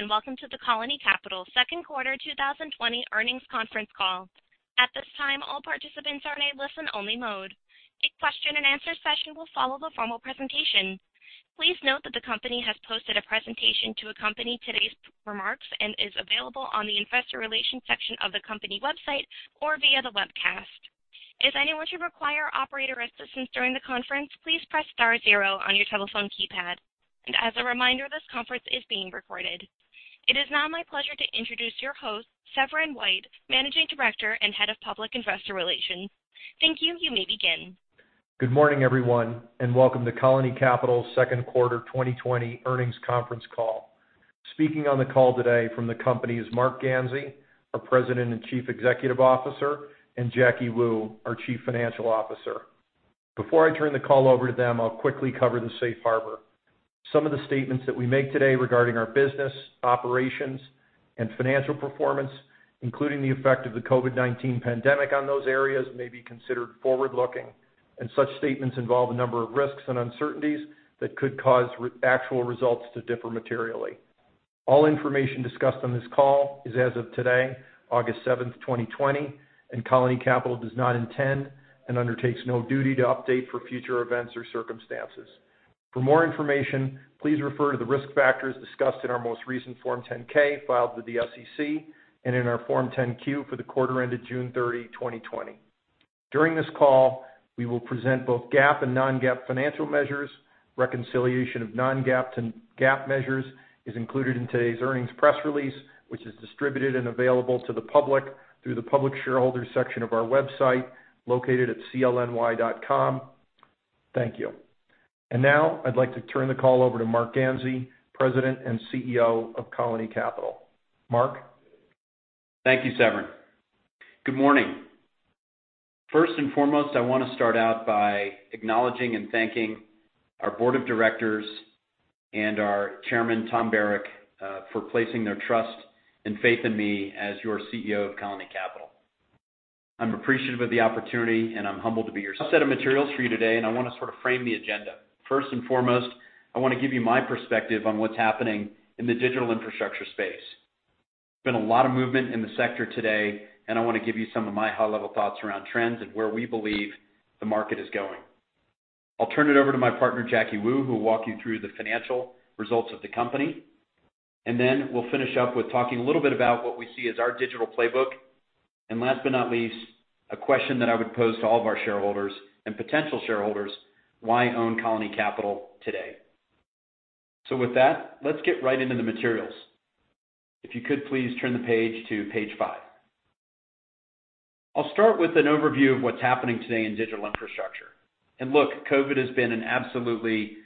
Greetings and welcome to the Colony Capital Second Quarter 2020 earnings conference call. At this time, all participants are in a listen-only mode. A question-and-answer session will follow the formal presentation. Please note that the company has posted a presentation to accompany today's remarks and is available on the investor relations section of the company website or via the webcast. If anyone should require operator assistance during the conference, please press star zero on your telephone keypad. And as a reminder, this conference is being recorded. It is now my pleasure to introduce your host, Severin White, Managing Director and Head of Public Investor Relations. Thank you. You may begin. Good morning, everyone, and welcome to Colony Capital Second Quarter 2020 earnings conference call. Speaking on the call today from the company is Marc Ganzi, our President and Chief Executive Officer, and Jacky Wu, our Chief Financial Officer. Before I turn the call over to them, I'll quickly cover the safe harbor. Some of the statements that we make today regarding our business, operations, and financial performance, including the effect of the COVID-19 pandemic on those areas, may be considered forward-looking, and such statements involve a number of risks and uncertainties that could cause actual results to differ materially. All information discussed on this call is as of today, August 7, 2020, and Colony Capital does not intend and undertakes no duty to update for future events or circumstances. For more information, please refer to the risk factors discussed in our most recent Form 10-K filed with the SEC and in our Form 10-Q for the quarter ended June 30, 2020. During this call, we will present both GAAP and non-GAAP financial measures. Reconciliation of non-GAAP measures is included in today's earnings press release, which is distributed and available to the public through the public shareholder section of our website located at clny.com. Thank you. And now, I'd like to turn the call over to Marc Ganzi, President and CEO of Colony Capital. Marc. Thank you, Severin. Good morning. First and foremost, I want to start out by acknowledging and thanking our Board of Directors and our Chairman, Tom Barrack, for placing their trust and faith in me as your CEO of Colony Capital. I'm appreciative of the opportunity, and I'm humbled to be here to present the materials to you today, and I want to sort of frame the agenda. First and foremost, I want to give you my perspective on what's happening in the digital infrastructure space. There's been a lot of movement in the sector today, and I want to give you some of my high-level thoughts around trends and where we believe the market is going. I'll turn it over to my partner, Jacky Wu, who will walk you through the financial results of the company. And then we'll finish up with talking a little bit about what we see as our digital playbook. And last but not least, a question that I would pose to all of our shareholders and potential shareholders: why own Colony Capital today? So with that, let's get right into the materials. If you could, please turn the page to page five. I'll start with an overview of what's happening today in digital infrastructure. And look, COVID has been an absolutely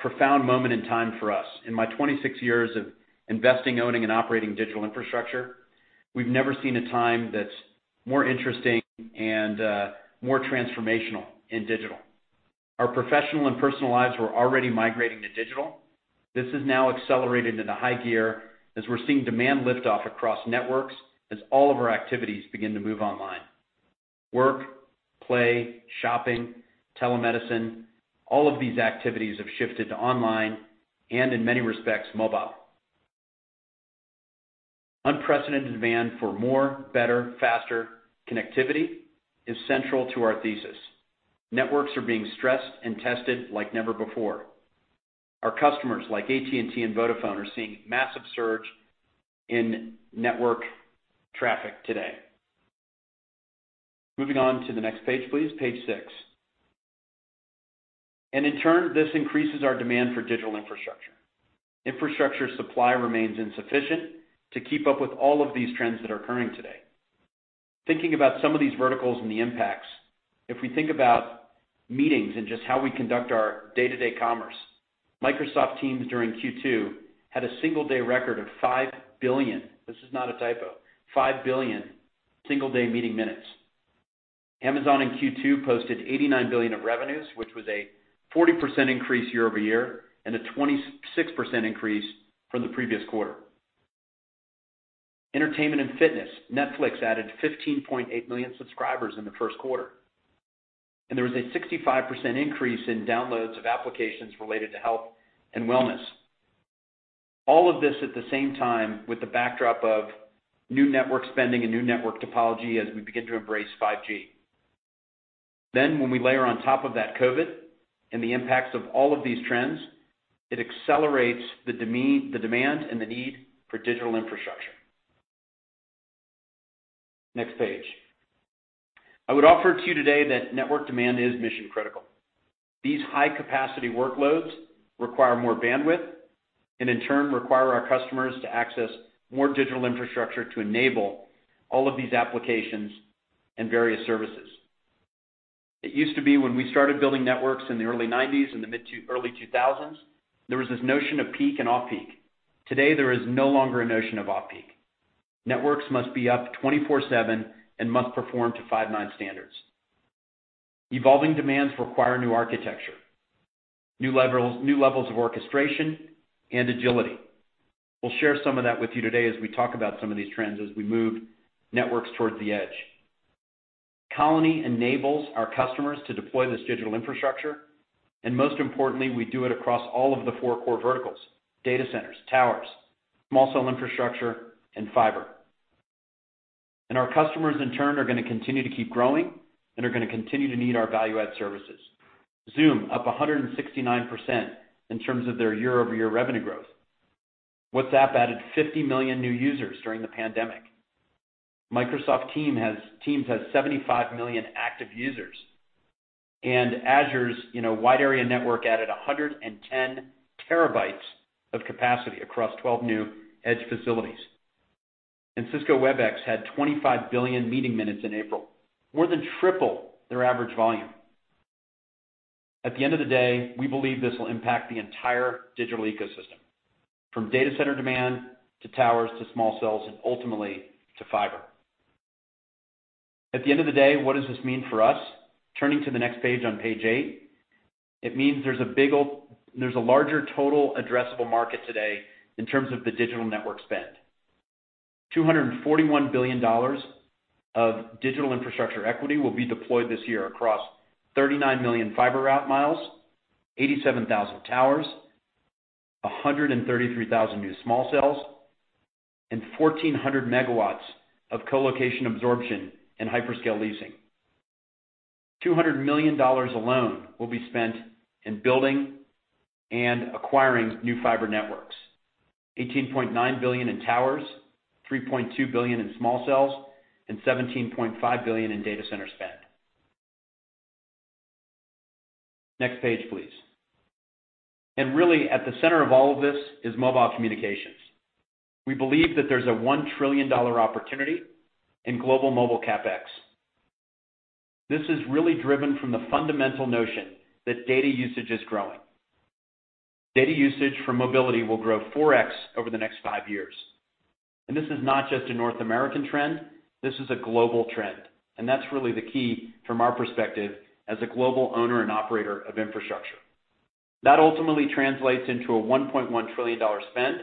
profound moment in time for us. In my 26 years of investing, owning, and operating digital infrastructure, we've never seen a time that's more interesting and more transformational in digital. Our professional and personal lives were already migrating to digital. This is now accelerated into high gear as we're seeing demand lift off across networks as all of our activities begin to move online. Work, play, shopping, telemedicine, all of these activities have shifted to online and, in many respects, mobile. Unprecedented demand for more, better, faster connectivity is central to our thesis. Networks are being stressed and tested like never before. Our customers like AT&T and Vodafone are seeing a massive surge in network traffic today. Moving on to the next page, please, page six, and in turn, this increases our demand for digital infrastructure. Infrastructure supply remains insufficient to keep up with all of these trends that are occurring today. Thinking about some of these verticals and the impacts, if we think about meetings and just how we conduct our day-to-day commerce, Microsoft Teams during Q2 had a single-day record of 5 billion (this is not a typo) 5 billion single-day meeting minutes. Amazon in Q2 posted $89 billion of revenues, which was a 40% increase year over year and a 26% increase from the previous quarter. Entertainment and fitness, Netflix added 15.8 million subscribers in the first quarter, and there was a 65% increase in downloads of applications related to health and wellness. All of this at the same time with the backdrop of new network spending and new network topology as we begin to embrace 5G, then when we layer on top of that COVID and the impacts of all of these trends, it accelerates the demand and the need for digital infrastructure. Next page. I would offer to you today that network demand is mission-critical. These high-capacity workloads require more bandwidth and, in turn, require our customers to access more digital infrastructure to enable all of these applications and various services. It used to be when we started building networks in the early 1990s and the early 2000s, there was this notion of peak and off-peak. Today, there is no longer a notion of off-peak. Networks must be up 24/7 and must perform to 5.9 standards. Evolving demands require new architecture, new levels of orchestration, and agility. We'll share some of that with you today as we talk about some of these trends as we move networks towards the edge. Colony enables our customers to deploy this digital infrastructure, and most importantly, we do it across all of the four core verticals: data centers, towers, small cell infrastructure, and fiber, and our customers, in turn, are going to continue to keep growing and are going to continue to need our value-add services. Zoom up 169% in terms of their year-over-year revenue growth. WhatsApp added 50 million new users during the pandemic. Microsoft Teams has 75 million active users. Azure's wide area network added 110 TB of capacity across 12 new edge facilities. Cisco Webex had 25 billion meeting minutes in April, more than triple their average volume. At the end of the day, we believe this will impact the entire digital ecosystem, from data center demand to towers to small cells and ultimately to fiber. At the end of the day, what does this mean for us? Turning to the next page on page eight, it means there's a larger total addressable market today in terms of the digital network spend. $241 billion of digital infrastructure equity will be deployed this year across 39 million fiber route miles, 87,000 towers, 133,000 new small cells, and 1,400 megawatts of colocation absorption and hyperscale leasing. $200 million alone will be spent in building and acquiring new fiber networks: $18.9 billion in towers, $3.2 billion in small cells, and $17.5 billion in data center spend. Next page, please. And really, at the center of all of this is mobile communications. We believe that there's a $1 trillion opportunity in global mobile CapEx. This is really driven from the fundamental notion that data usage is growing. Data usage for mobility will grow 4x over the next five years, and this is not just a North American trend. This is a global trend, and that's really the key from our perspective as a global owner and operator of infrastructure. That ultimately translates into a $1.1 trillion spend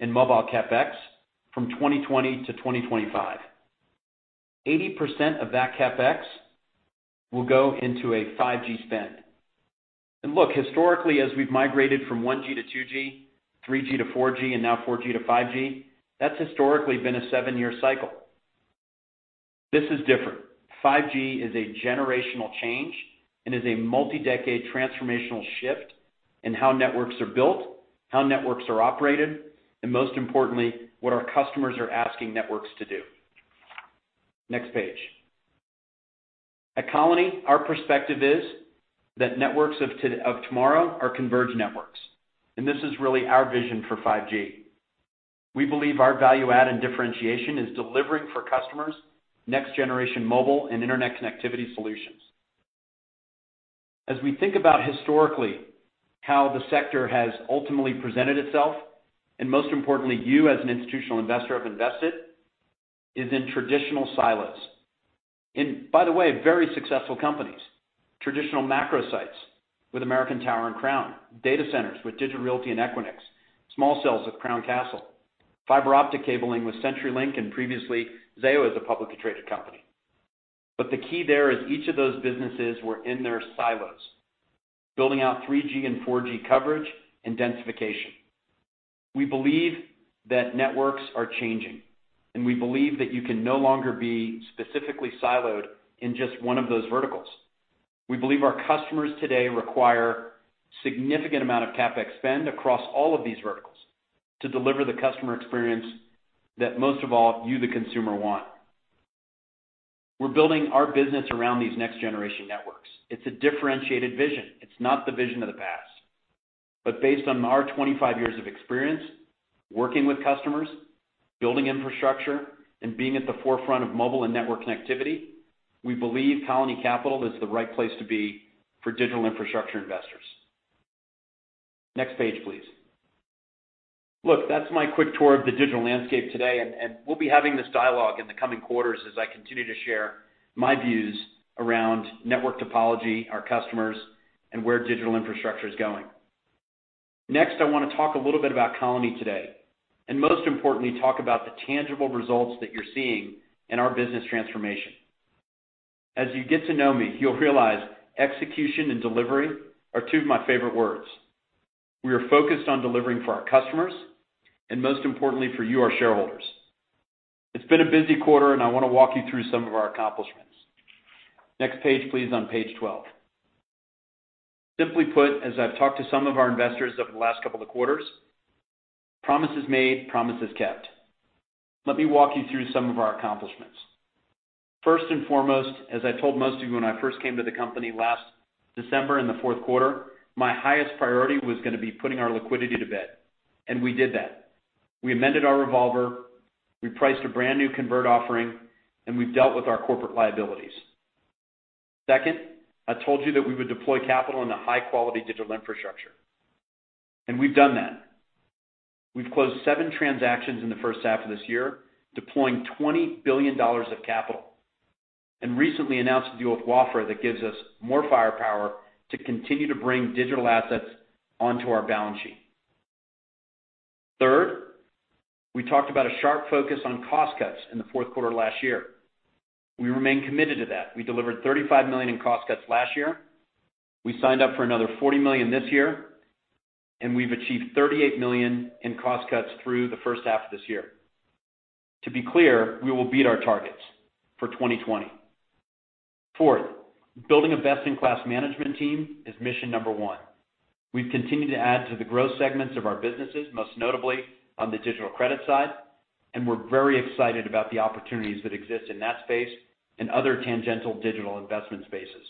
in mobile CapEx from 2020 to 2025. 80% of that CapEx will go into a 5G spend. And look, historically, as we've migrated from 1G to 2G, 3G to 4G, and now 4G to 5G, that's historically been a seven-year cycle. This is different. 5G is a generational change and is a multi-decade transformational shift in how networks are built, how networks are operated, and most importantly, what our customers are asking networks to do. Next page. At Colony, our perspective is that networks of tomorrow are converged networks. And this is really our vision for 5G. We believe our value-add and differentiation is delivering for customers next-generation mobile and internet connectivity solutions. As we think about historically how the sector has ultimately presented itself, and most importantly, you as an institutional investor have invested, is in traditional silos. By the way, very successful companies: traditional macro sites with American Tower and Crown, data centers with Digital Realty and Equinix, small cells with Crown Castle, fiber optic cabling with CenturyLink, and previously Zayo as a publicly traded company. The key there is each of those businesses were in their silos, building out 3G and 4G coverage and densification. We believe that networks are changing, and we believe that you can no longer be specifically siloed in just one of those verticals. We believe our customers today require a significant amount of CapEx spend across all of these verticals to deliver the customer experience that most of all you, the consumer, want. We're building our business around these next-generation networks. It's a differentiated vision. It's not the vision of the past. But based on our 25 years of experience working with customers, building infrastructure, and being at the forefront of mobile and network connectivity, we believe Colony Capital is the right place to be for digital infrastructure investors. Next page, please. Look, that's my quick tour of the digital landscape today, and we'll be having this dialogue in the coming quarters as I continue to share my views around network topology, our customers, and where digital infrastructure is going. Next, I want to talk a little bit about Colony today, and most importantly, talk about the tangible results that you're seeing in our business transformation. As you get to know me, you'll realize execution and delivery are two of my favorite words. We are focused on delivering for our customers, and most importantly, for you, our shareholders. It's been a busy quarter, and I want to walk you through some of our accomplishments. Next page, please, on page 12. Simply put, as I've talked to some of our investors over the last couple of quarters, promises made, promises kept. Let me walk you through some of our accomplishments. First and foremost, as I told most of you when I first came to the company last December in the fourth quarter, my highest priority was going to be putting our liquidity to bed, and we did that. We amended our revolver, we priced a brand new convert offering, and we've dealt with our corporate liabilities. Second, I told you that we would deploy capital in a high-quality digital infrastructure, and we've done that. We've closed seven transactions in the first half of this year, deploying $20 billion of capital, and recently announced a deal with Wafra that gives us more firepower to continue to bring digital assets onto our balance sheet. Third, we talked about a sharp focus on cost cuts in the fourth quarter last year. We remain committed to that. We delivered $35 million in cost cuts last year. We signed up for another $40 million this year, and we've achieved $38 million in cost cuts through the first half of this year. To be clear, we will beat our targets for 2020. Fourth, building a best-in-class management team is mission number one. We've continued to add to the growth segments of our businesses, most notably on the digital credit side, and we're very excited about the opportunities that exist in that space and other tangential digital investment spaces.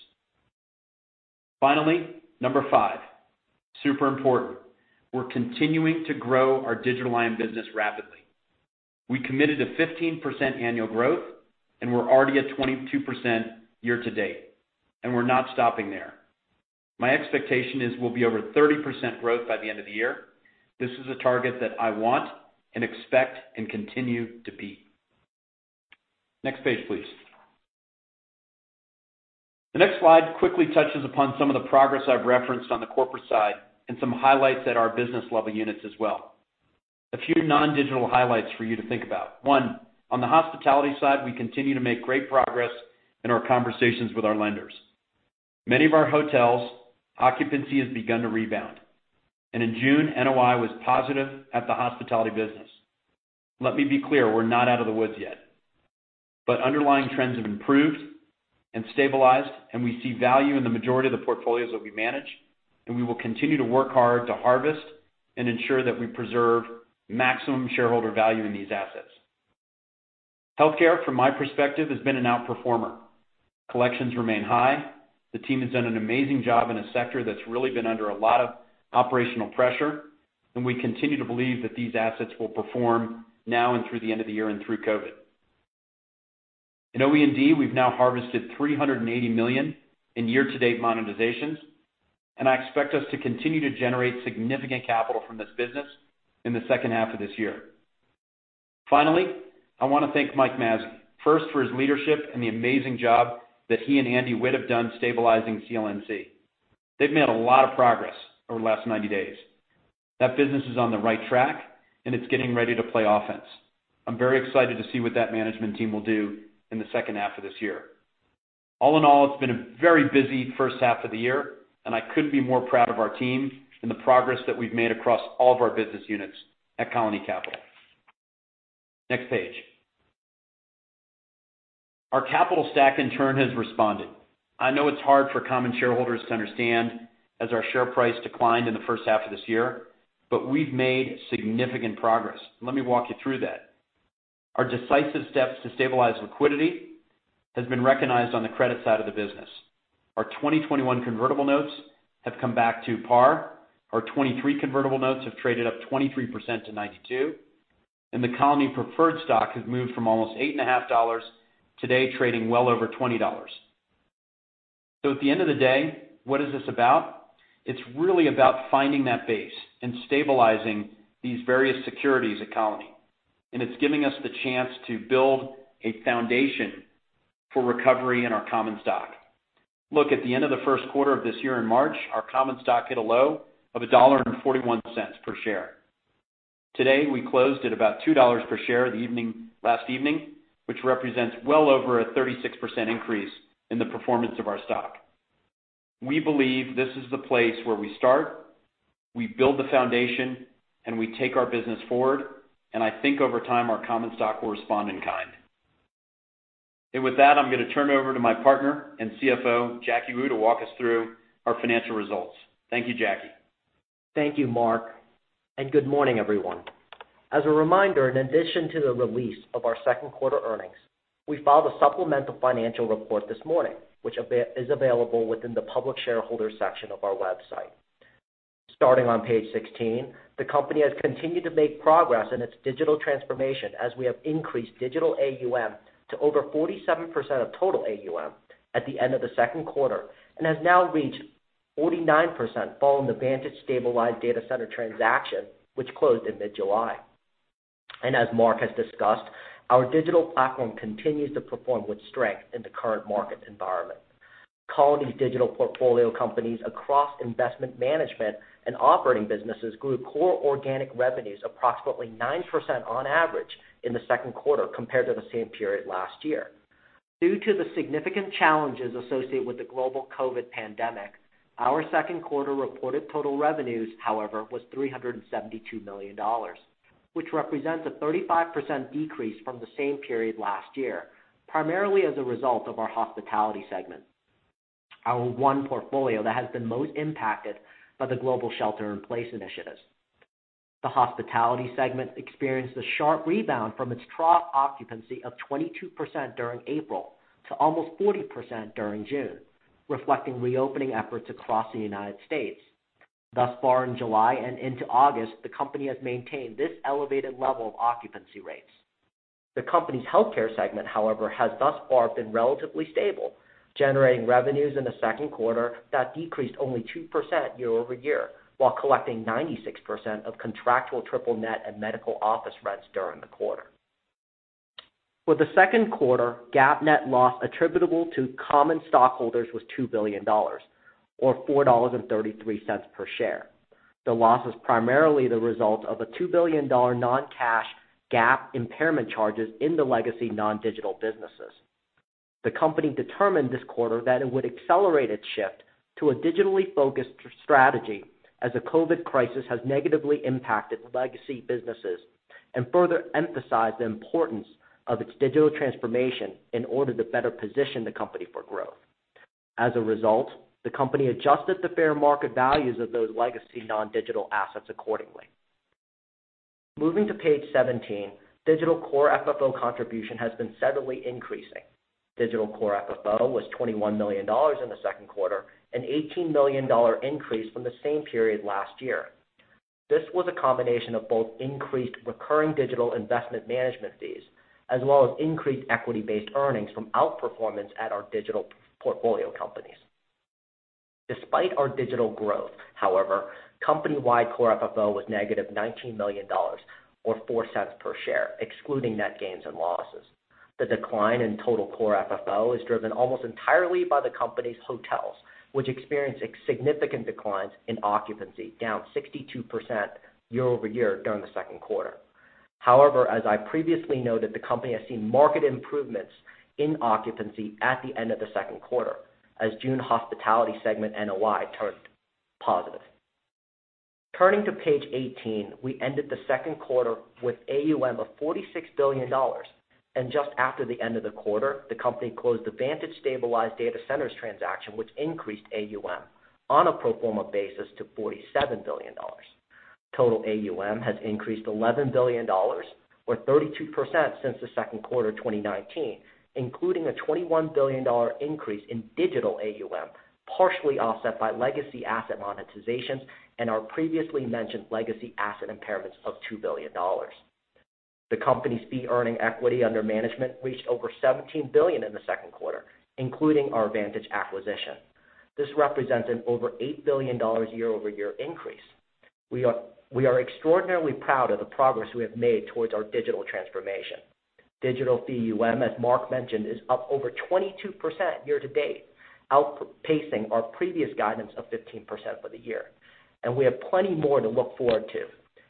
Finally, number five, super important, we're continuing to grow our digital line of business rapidly. We committed to 15% annual growth, and we're already at 22% year to date, and we're not stopping there. My expectation is we'll be over 30% growth by the end of the year. This is a target that I want and expect and continue to beat. Next page, please. The next slide quickly touches upon some of the progress I've referenced on the corporate side and some highlights at our business-level units as well. A few non-digital highlights for you to think about. One, on the hospitality side, we continue to make great progress in our conversations with our lenders. Many of our hotels' occupancy has begun to rebound, and in June, NOI was positive at the hospitality business. Let me be clear, we're not out of the woods yet. But underlying trends have improved and stabilized, and we see value in the majority of the portfolios that we manage, and we will continue to work hard to harvest and ensure that we preserve maximum shareholder value in these assets. Healthcare, from my perspective, has been an outperformer. Collections remain high. The team has done an amazing job in a sector that's really been under a lot of operational pressure, and we continue to believe that these assets will perform now and through the end of the year and through COVID. In OE&D, we've now harvested $380 million in year-to-date monetizations, and I expect us to continue to generate significant capital from this business in the second half of this year. Finally, I want to thank Mike Mazzei, first for his leadership and the amazing job that he and Andy Witt have done stabilizing CLNC. They've made a lot of progress over the last 90 days. That business is on the right track, and it's getting ready to play offense. I'm very excited to see what that management team will do in the second half of this year. All in all, it's been a very busy first half of the year, and I couldn't be more proud of our team and the progress that we've made across all of our business units at Colony Capital. Next page. Our capital stack, in turn, has responded. I know it's hard for common shareholders to understand as our share price declined in the first half of this year, but we've made significant progress. Let me walk you through that. Our decisive steps to stabilize liquidity have been recognized on the credit side of the business. Our 2021 convertible notes have come back to par. Our 2023 convertible notes have traded up 23% to 92. And the Colony preferred stock has moved from almost $8.5 today, trading well over $20. So at the end of the day, what is this about? It's really about finding that base and stabilizing these various securities at Colony. And it's giving us the chance to build a foundation for recovery in our common stock. Look, at the end of the first quarter of this year in March, our common stock hit a low of $1.41 per share. Today, we closed at about $2 per share last evening, which represents well over a 36% increase in the performance of our stock. We believe this is the place where we start, we build the foundation, and we take our business forward. And I think over time, our common stock will respond in kind. And with that, I'm going to turn it over to my partner and CFO, Jacky Wu, to walk us through our financial results. Thank you, Jacky. Thank you, Marc. And good morning, everyone. As a reminder, in addition to the release of our second quarter earnings, we filed a supplemental financial report this morning, which is available within the public shareholder section of our website. Starting on page 16, the company has continued to make progress in its digital transformation as we have increased digital AUM to over 47% of total AUM at the end of the second quarter and has now reached 49% following the Vantage stabilized data center transaction, which closed in mid-July. And as Marc has discussed, our digital platform continues to perform with strength in the current market environment. Colony's digital portfolio companies across investment management and operating businesses grew core organic revenues approximately 9% on average in the second quarter compared to the same period last year. Due to the significant challenges associated with the global COVID pandemic, our second quarter reported total revenues, however, was $372 million, which represents a 35% decrease from the same period last year, primarily as a result of our hospitality segment, our one portfolio that has been most impacted by the global shelter-in-place initiatives. The hospitality segment experienced a sharp rebound from its trough occupancy of 22% during April to almost 40% during June, reflecting reopening efforts across the United States. Thus far in July and into August, the company has maintained this elevated level of occupancy rates. The company's healthcare segment, however, has thus far been relatively stable, generating revenues in the second quarter that decreased only 2% year over year while collecting 96% of contractual triple net and medical office rents during the quarter. For the second quarter, GAAP net loss attributable to common stockholders was $2 billion, or $4.33 per share. The loss is primarily the result of a $2 billion non-cash GAAP impairment charges in the legacy non-digital businesses. The company determined this quarter that it would accelerate its shift to a digitally focused strategy as the COVID crisis has negatively impacted legacy businesses and further emphasized the importance of its digital transformation in order to better position the company for growth. As a result, the company adjusted the fair market values of those legacy non-digital assets accordingly. Moving to page 17, digital core FFO contribution has been steadily increasing. Digital Core FFO was $21 million in the second quarter, an $18 million increase from the same period last year. This was a combination of both increased recurring digital investment management fees as well as increased equity-based earnings from outperformance at our digital portfolio companies. Despite our digital growth, however, company-wide Core FFO was negative $19 million, or $0.04 per share, excluding net gains and losses. The decline in total Core FFO is driven almost entirely by the company's hotels, which experienced significant declines in occupancy, down 62% year over year during the second quarter. However, as I previously noted, the company has seen market improvements in occupancy at the end of the second quarter as June hospitality segment NOI turned positive. Turning to page 18, we ended the second quarter with AUM of $46 billion. Just after the end of the quarter, the company closed the Vantage stabilized data centers transaction, which increased AUM on a pro forma basis to $47 billion. Total AUM has increased $11 billion, or 32% since the second quarter of 2019, including a $21 billion increase in digital AUM, partially offset by legacy asset monetizations and our previously mentioned legacy asset impairments of $2 billion. The company's fee-earning equity under management reached over $17 billion in the second quarter, including our Vantage acquisition. This represents an over $8 billion year-over-year increase. We are extraordinarily proud of the progress we have made towards our digital transformation. Digital fee as Mark mentioned, is up over 22% year to date, outpacing our previous guidance of 15% for the year. We have plenty more to look forward to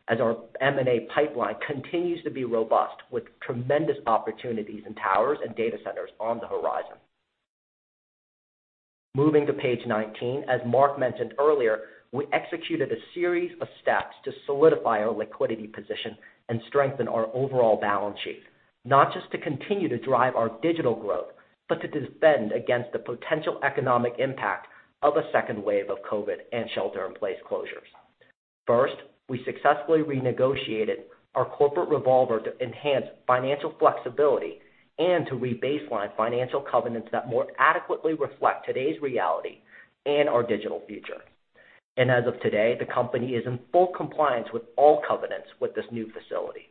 as our M&A pipeline continues to be robust with tremendous opportunities in towers and data centers on the horizon. Moving to page 19, as Marc mentioned earlier, we executed a series of steps to solidify our liquidity position and strengthen our overall balance sheet, not just to continue to drive our digital growth, but to defend against the potential economic impact of a second wave of COVID and shelter-in-place closures. First, we successfully renegotiated our corporate revolver to enhance financial flexibility and to re-baseline financial covenants that more adequately reflect today's reality and our digital future. And as of today, the company is in full compliance with all covenants with this new facility.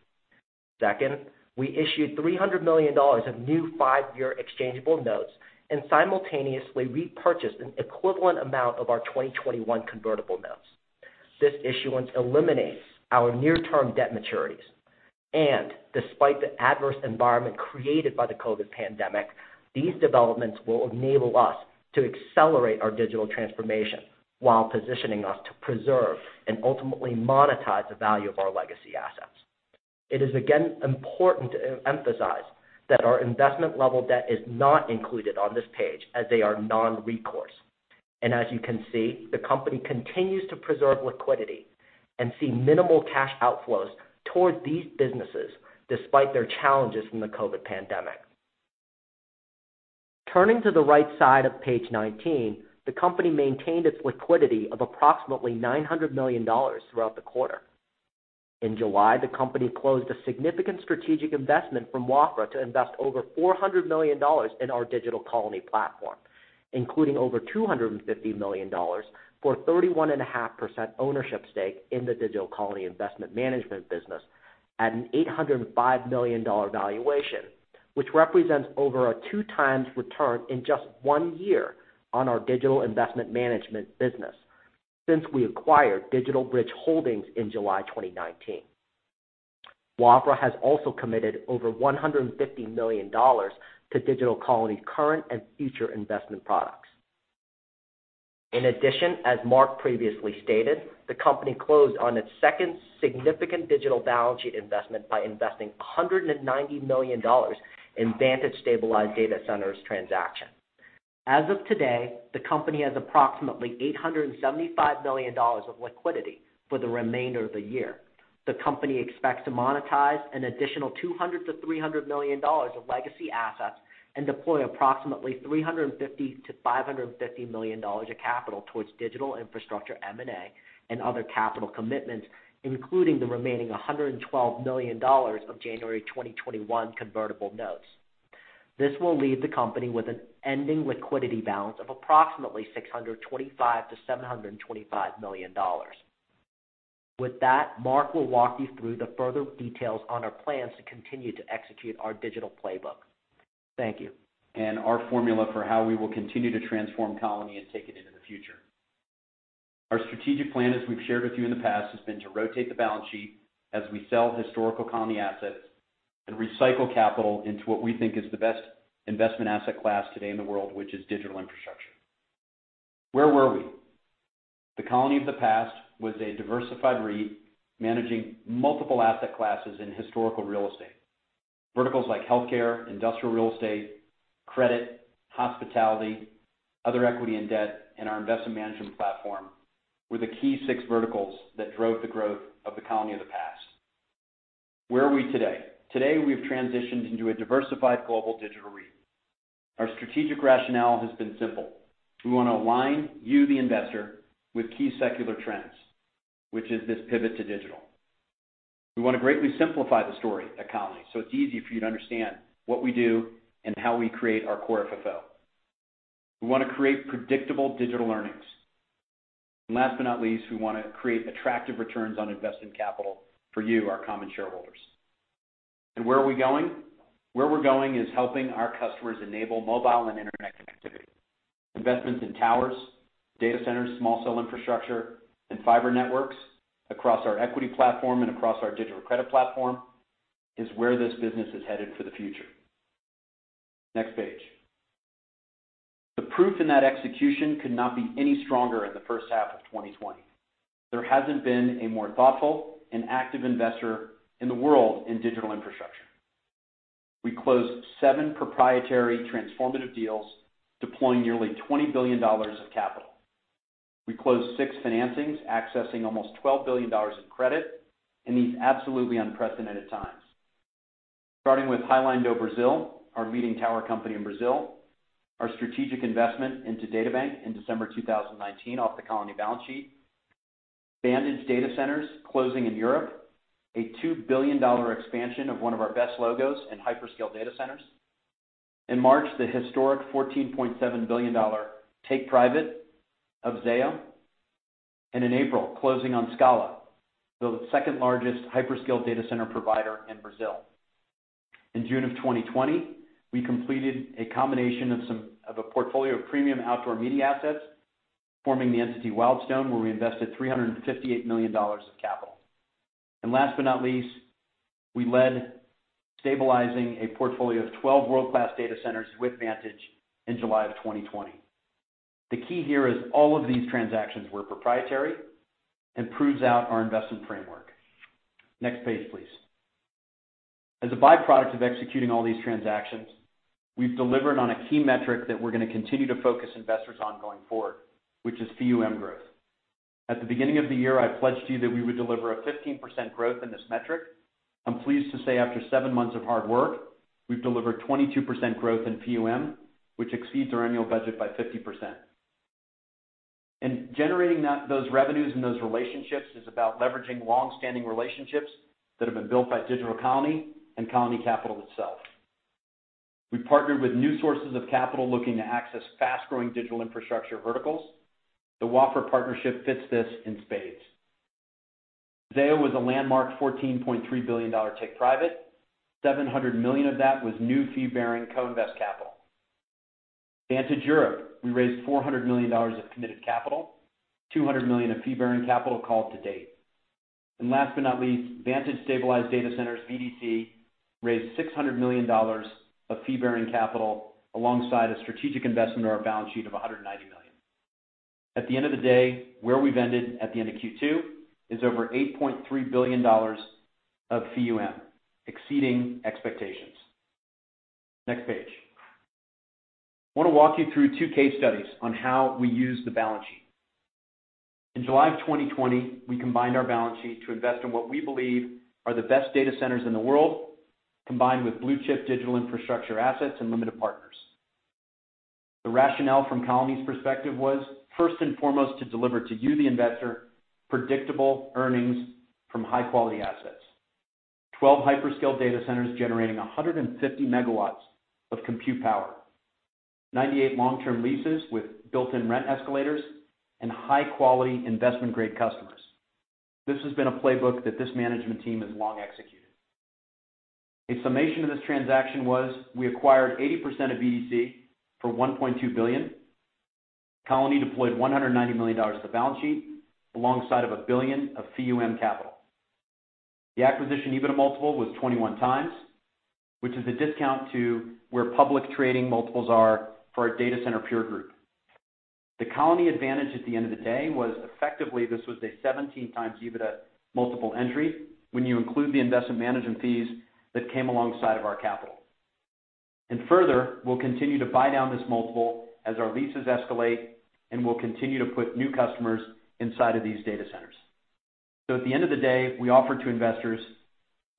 Second, we issued $300 million of new five-year exchangeable notes and simultaneously repurchased an equivalent amount of our 2021 convertible notes. This issuance eliminates our near-term debt maturities. Despite the adverse environment created by the COVID pandemic, these developments will enable us to accelerate our digital transformation while positioning us to preserve and ultimately monetize the value of our legacy assets. It is again important to emphasize that our investment-level debt is not included on this page as they are non-recourse. As you can see, the company continues to preserve liquidity and see minimal cash outflows toward these businesses despite their challenges from the COVID pandemic. Turning to the right side of page 19, the company maintained its liquidity of approximately $900 million throughout the quarter. In July, the company closed a significant strategic investment from Wafra to invest over $400 million in our Digital Colony platform, including over $250 million for a 31.5% ownership stake in the Digital Colony investment management business at an $805 million valuation, which represents over a two-times return in just one year on our digital investment management business since we acquired DigitalBridge Holdings in July 2019. Wafra has also committed over $150 million to Digital Colony current and future investment products. In addition, as Mark previously stated, the company closed on its second significant digital balance sheet investment by investing $190 million in Vantage stabilized data centers transaction. As of today, the company has approximately $875 million of liquidity for the remainder of the year. The company expects to monetize an additional $200 million-$300 million of legacy assets and deploy approximately $350 million-$550 million of capital towards digital infrastructure M&A and other capital commitments, including the remaining $112 million of January 2021 convertible notes. This will leave the company with an ending liquidity balance of approximately $625 million-$725 million. With that, Marc will walk you through the further details on our plans to continue to execute our digital playbook. Thank you. And our formula for how we will continue to transform Colony and take it into the future. Our strategic plan, as we've shared with you in the past, has been to rotate the balance sheet as we sell historical Colony assets and recycle capital into what we think is the best investment asset class today in the world, which is digital infrastructure. Where were we? The Colony of the past was a diversified REIT managing multiple asset classes in historical real estate. Verticals like healthcare, industrial real estate, credit, hospitality, other equity and debt, and our investment management platform were the key six verticals that drove the growth of the Colony of the past. Where are we today? Today, we have transitioned into a diversified global digital REIT. Our strategic rationale has been simple. We want to align you, the investor, with key secular trends, which is this pivot to digital. We want to greatly simplify the story at Colony so it's easy for you to understand what we do and how we create our Core FFO. We want to create predictable digital earnings. And last but not least, we want to create attractive returns on invested capital for you, our common shareholders. And where are we going? Where we're going is helping our customers enable mobile and internet connectivity. Investments in towers, data centers, small cell infrastructure, and fiber networks across our equity platform and across our digital credit platform is where this business is headed for the future. Next page. The proof in that execution could not be any stronger in the first half of 2020. There hasn't been a more thoughtful and active investor in the world in digital infrastructure. We closed seven proprietary transformative deals, deploying nearly $20 billion of capital. We closed six financings, accessing almost $12 billion in credit in these absolutely unprecedented times. Starting with Highline do Brasil, our leading tower company in Brazil, our strategic investment into DataBank in December 2019 off the Colony balance sheet, Vantage Data Centers closing in Europe, a $2 billion expansion of one of our best logos and hyperscale data centers. In March, the historic $14.7 billion take-private of Zayo and in April, closing on Scala, the second largest hyperscale data center provider in Brazil. In June of 2020, we completed a combination of a portfolio of premium outdoor media assets, forming the entity Wildstone, where we invested $358 million of capital and last but not least, we led stabilizing a portfolio of 12 world-class data centers with Vantage in July of 2020. The key here is all of these transactions were proprietary and proves out our investment framework. Next page, please. As a byproduct of executing all these transactions, we've delivered on a key metric that we're going to continue to focus investors on going forward, which is fee growth. At the beginning of the year, I pledged to you that we would deliver a 15% growth in this metric. I'm pleased to say after seven months of hard work, we've delivered 22% growth in fee which exceeds our annual budget by 50%. And generating those revenues and those relationships is about leveraging long-standing relationships that have been built by Digital Colony and Colony Capital itself. We partnered with new sources of capital looking to access fast-growing digital infrastructure verticals. The Wafra partnership fits this in spades. Zayo was a landmark $14.3 billion take-private. $700 million of that was new fee-bearing co-invest capital. Vantage Europe, we raised $400 million of committed capital, $200 million of fee-bearing capital called to date. And last but not least, Vantage's stabilized data centers VDC raised $600 million of fee-bearing capital alongside a strategic investment on our balance sheet of $190 million. At the end of the day, where we've ended at the end of Q2 is over $8.3 billion of fee exceeding expectations. Next page. I want to walk you through two case studies on how we use the balance sheet. In July of 2020, we combined our balance sheet to invest in what we believe are the best data centers in the world, combined with blue-chip digital infrastructure assets and limited partners. The rationale from Colony's perspective was, first and foremost, to deliver to you, the investor, predictable earnings from high-quality assets. 12 hyperscale data centers generating 150 megawatts of compute power, 98 long-term leases with built-in rent escalators, and high-quality investment-grade customers. This has been a playbook that this management team has long executed. A summation of this transaction was we acquired 80% of VDC for $1.2 billion. Colony deployed $190 million of the balance sheet alongside of $1 billion of fee capital. The acquisition EBITDA multiple was 21x, which is a discount to where public trading multiples are for our data center peer group. The Colony advantage at the end of the day was effectively this was a 17x EBITDA multiple entry when you include the investment management fees that came alongside of our capital. And further, we'll continue to buy down this multiple as our leases escalate, and we'll continue to put new customers inside of these data centers. So at the end of the day, we offered to investors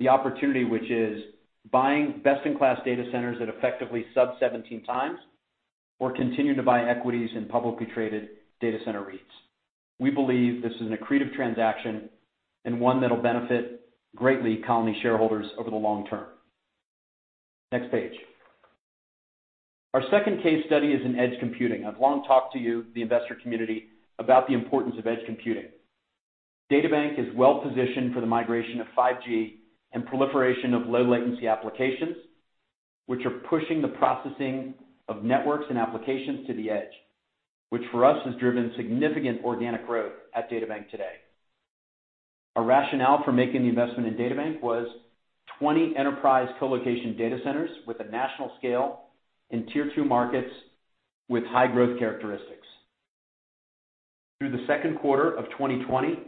the opportunity, which is buying best-in-class data centers at effectively sub-17x or continuing to buy equities in publicly traded data center REITs. We believe this is an accretive transaction and one that'll benefit greatly Colony shareholders over the long term. Next page. Our second case study is in edge computing. I've long talked to you, the investor community, about the importance of edge computing. DataBank is well-positioned for the migration of 5G and proliferation of low-latency applications, which are pushing the processing of networks and applications to the edge, which for us has driven significant organic growth at DataBank today. Our rationale for making the investment in DataBank was 20 enterprise colocation data centers with a national scale in tier two markets with high-growth characteristics. Through the second quarter of 2020,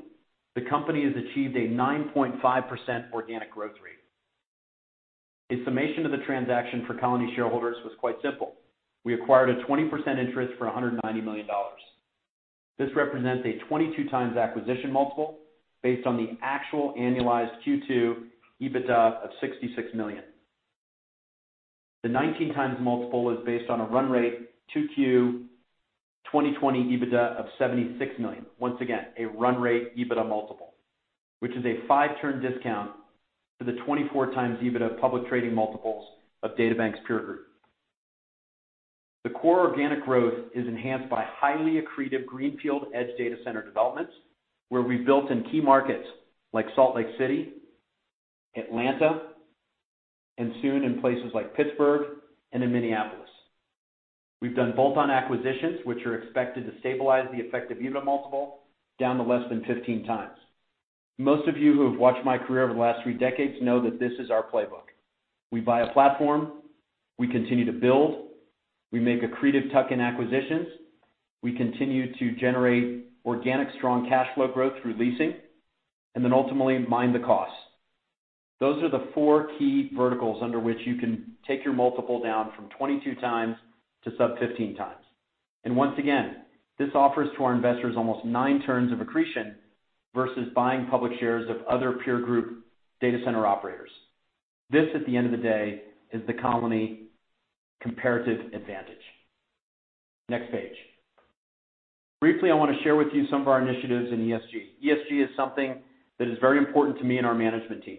the company has achieved a 9.5% organic growth rate. A summation of the transaction for Colony shareholders was quite simple. We acquired a 20% interest for $190 million. This represents a 22x acquisition multiple based on the actual annualized Q2 EBITDA of $66 million. The 19x multiple is based on a run rate to Q2 2020 EBITDA of $76 million. Once again, a run rate EBITDA multiple, which is a five-turn discount to the 24x EBITDA public trading multiples of DataBank's peer group. The core organic growth is enhanced by highly accretive greenfield edge data center developments where we've built in key markets like Salt Lake City, Atlanta, and soon in places like Pittsburgh and in Minneapolis. We've done bolt-on acquisitions, which are expected to stabilize the effective EBITDA multiple down to less than 15x. Most of you who have watched my career over the last three decades know that this is our playbook. We buy a platform. We continue to build. We make accretive tuck-in acquisitions. We continue to generate organic strong cash flow growth through leasing and then ultimately mind the costs. Those are the four key verticals under which you can take your multiple down from 22x to sub-15x. And once again, this offers to our investors almost nine turns of accretion versus buying public shares of other peer group data center operators. This, at the end of the day, is the Colony comparative advantage. Next page. Briefly, I want to share with you some of our initiatives in ESG. ESG is something that is very important to me and our management team.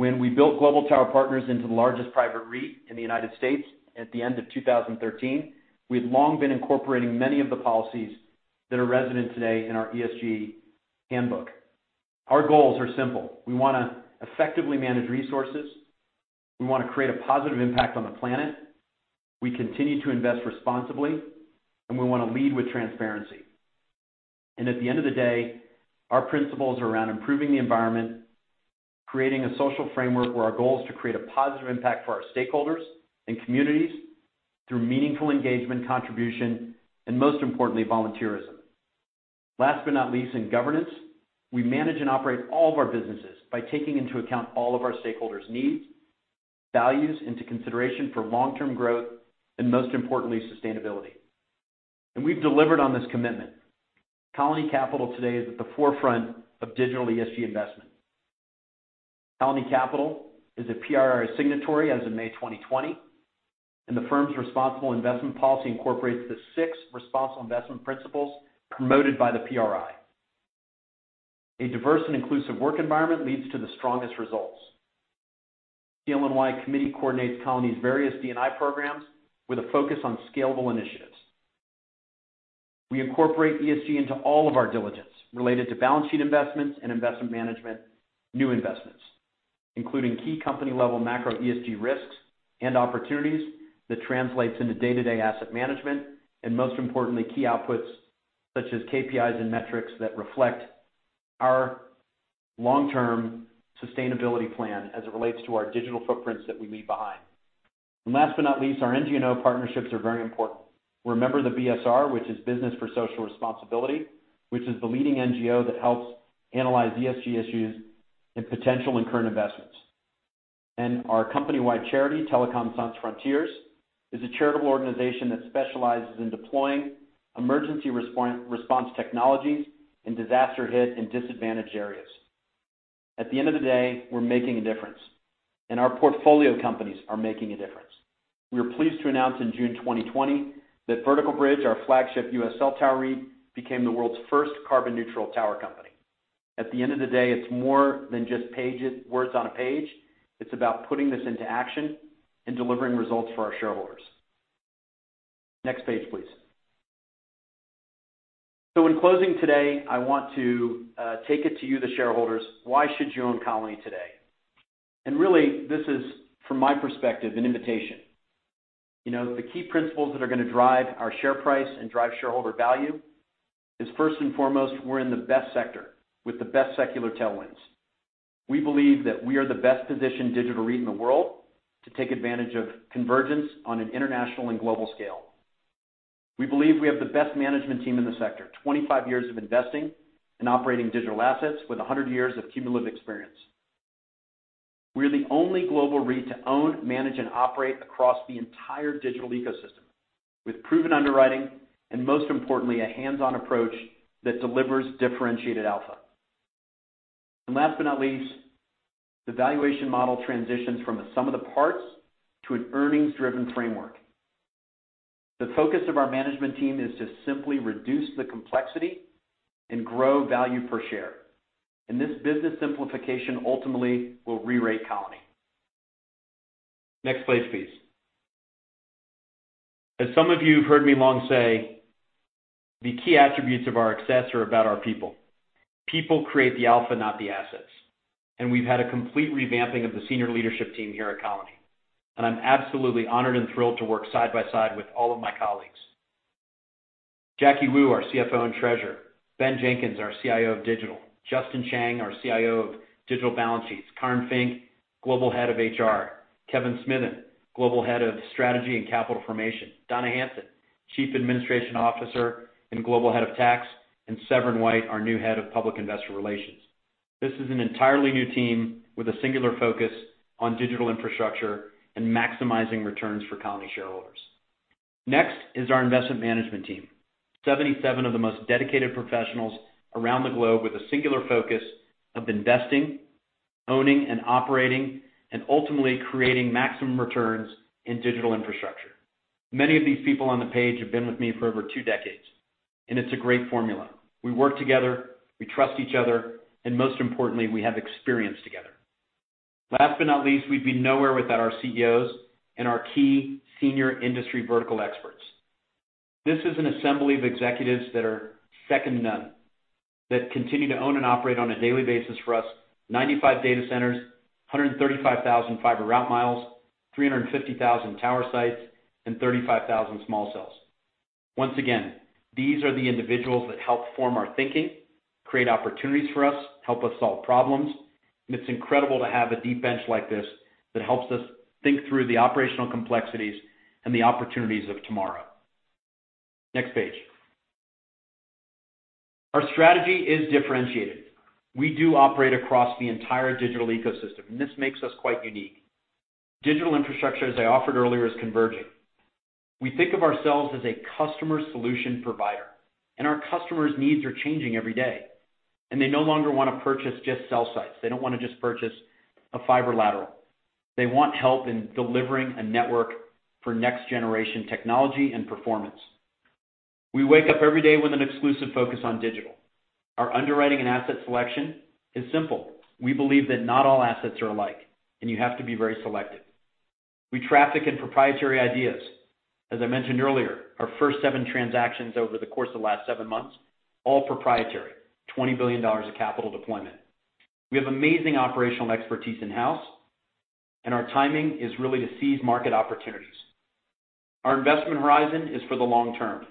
When we built Global Tower Partners into the largest private REIT in the United States at the end of 2013, we had long been incorporating many of the policies that are resonant today in our ESG handbook. Our goals are simple. We want to effectively manage resources. We want to create a positive impact on the planet. We continue to invest responsibly, and we want to lead with transparency. At the end of the day, our principles are around improving the environment, creating a social framework where our goal is to create a positive impact for our stakeholders and communities through meaningful engagement, contribution, and most importantly, volunteerism. Last but not least, in governance, we manage and operate all of our businesses by taking into account all of our stakeholders' needs and values into consideration for long-term growth, and most importantly, sustainability. We've delivered on this commitment. DigitalBridge Group today is at the forefront of digital ESG investment. DigitalBridge Group is a PRI signatory as of May 2020, and the firm's responsible investment policy incorporates the six responsible investment principles promoted by the PRI. A diverse and inclusive work environment leads to the strongest results. The DEI Committee coordinates DigitalBridge Group's various D&I programs with a focus on scalable initiatives. We incorporate ESG into all of our diligence related to balance sheet investments and investment management, new investments, including key company-level macro ESG risks and opportunities that translate into day-to-day asset management and, most importantly, key outputs such as KPIs and metrics that reflect our long-term sustainability plan as it relates to our digital footprints that we leave behind, and last but not least, our NGO partnerships are very important. Remember the BSR, which is Business for Social Responsibility, which is the leading NGO that helps analyze ESG issues and potential and current investments, and our company-wide charity, Télécoms Sans Frontières, is a charitable organization that specializes in deploying emergency response technologies in disaster-hit and disadvantaged areas. At the end of the day, we're making a difference, and our portfolio companies are making a difference. We are pleased to announce in June 2020 that Vertical Bridge, our flagship U.S. cell tower REIT, became the world's first carbon-neutral tower company. At the end of the day, it's more than just words on a page. It's about putting this into action and delivering results for our shareholders. Next page, please. So in closing today, I want to take it to you, the shareholders. Why should you own Colony today? And really, this is, from my perspective, an invitation. The key principles that are going to drive our share price and drive shareholder value is, first and foremost, we're in the best sector with the best secular tailwinds. We believe that we are the best-positioned digital REIT in the world to take advantage of convergence on an international and global scale. We believe we have the best management team in the sector, 25 years of investing and operating digital assets with 100 years of cumulative experience. We are the only global REIT to own, manage, and operate across the entire digital ecosystem with proven underwriting and, most importantly, a hands-on approach that delivers differentiated alpha, and last but not least, the valuation model transitions from a sum of the parts to an earnings-driven framework. The focus of our management team is to simply reduce the complexity and grow value per share, and this business simplification ultimately will re-rate Colony. Next page, please. As some of you have heard me long say, the key attributes of our success are about our people. People create the alpha, not the assets, and we've had a complete revamping of the senior leadership team here at Colony. I'm absolutely honored and thrilled to work side by side with all of my colleagues: Jacky Wu, our CFO and Treasurer, Ben Jenkins, our CIO of Digital, Justin Chang, our CIO of digital balance sheets, Karren Fink, Global Head of HR, Kevin Smithen, Global Head of Strategy and Capital Formation, Donna Hanson, Chief Administration Officer and Global Head of Tax, and Severin White, our new Head of Public Investor Relations. This is an entirely new team with a singular focus on digital infrastructure and maximizing returns for Colony shareholders. Next is our investment management team: 77 of the most dedicated professionals around the globe with a singular focus of investing, owning, and operating, and ultimately creating maximum returns in digital infrastructure. Many of these people on the page have been with me for over two decades, and it's a great formula. We work together. We trust each other. And most importantly, we have experience together. Last but not least, we'd be nowhere without our CEOs and our key senior industry vertical experts. This is an assembly of executives that are second to none that continue to own and operate on a daily basis for us 95 data centers, 135,000 fiber route miles, 350,000 tower sites, and 35,000 small cells. Once again, these are the individuals that help form our thinking, create opportunities for us, help us solve problems. And it's incredible to have a deep bench like this that helps us think through the operational complexities and the opportunities of tomorrow. Next page. Our strategy is differentiated. We do operate across the entire digital ecosystem, and this makes us quite unique. Digital infrastructure, as I offered earlier, is converging. We think of ourselves as a customer solution provider, and our customers' needs are changing every day. They no longer want to purchase just cell sites. They don't want to just purchase a fiber lateral. They want help in delivering a network for next-generation technology and performance. We wake up every day with an exclusive focus on digital. Our underwriting and asset selection is simple. We believe that not all assets are alike, and you have to be very selective. We traffic in proprietary ideas. As I mentioned earlier, our first seven transactions over the course of the last seven months, all proprietary, $20 billion of capital deployment. We have amazing operational expertise in-house, and our timing is really to seize market opportunities. Our investment horizon is for the long term.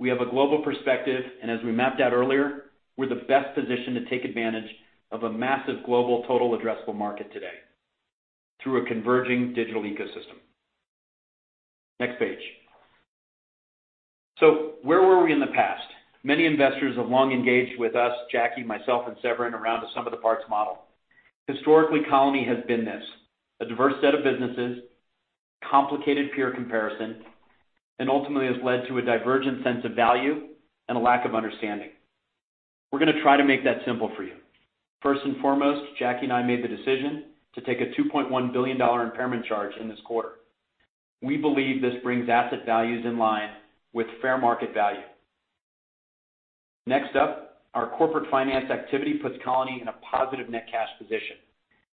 We have a global perspective, and as we mapped out earlier, we're the best position to take advantage of a massive global total addressable market today through a converging digital ecosystem. Next page. So where were we in the past? Many investors have long engaged with us, Jacky, myself, and Severin around a sum of the parts model. Historically, Colony has been this: a diverse set of businesses, complicated peer comparison, and ultimately has led to a divergent sense of value and a lack of understanding. We're going to try to make that simple for you. First and foremost, Jacky and I made the decision to take a $2.1 billion impairment charge in this quarter. We believe this brings asset values in line with fair market value. Next up, our corporate finance activity puts Colony in a positive net cash position.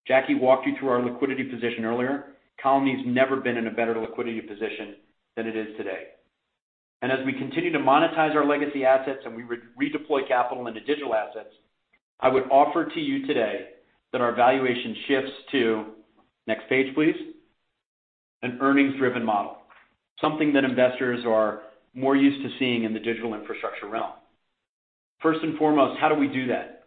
Jacky walked you through our liquidity position earlier. Colony's never been in a better liquidity position than it is today. As we continue to monetize our legacy assets and we redeploy capital into digital assets, I would offer to you today that our valuation shifts to, next page, please, an earnings-driven model, something that investors are more used to seeing in the digital infrastructure realm. First and foremost, how do we do that?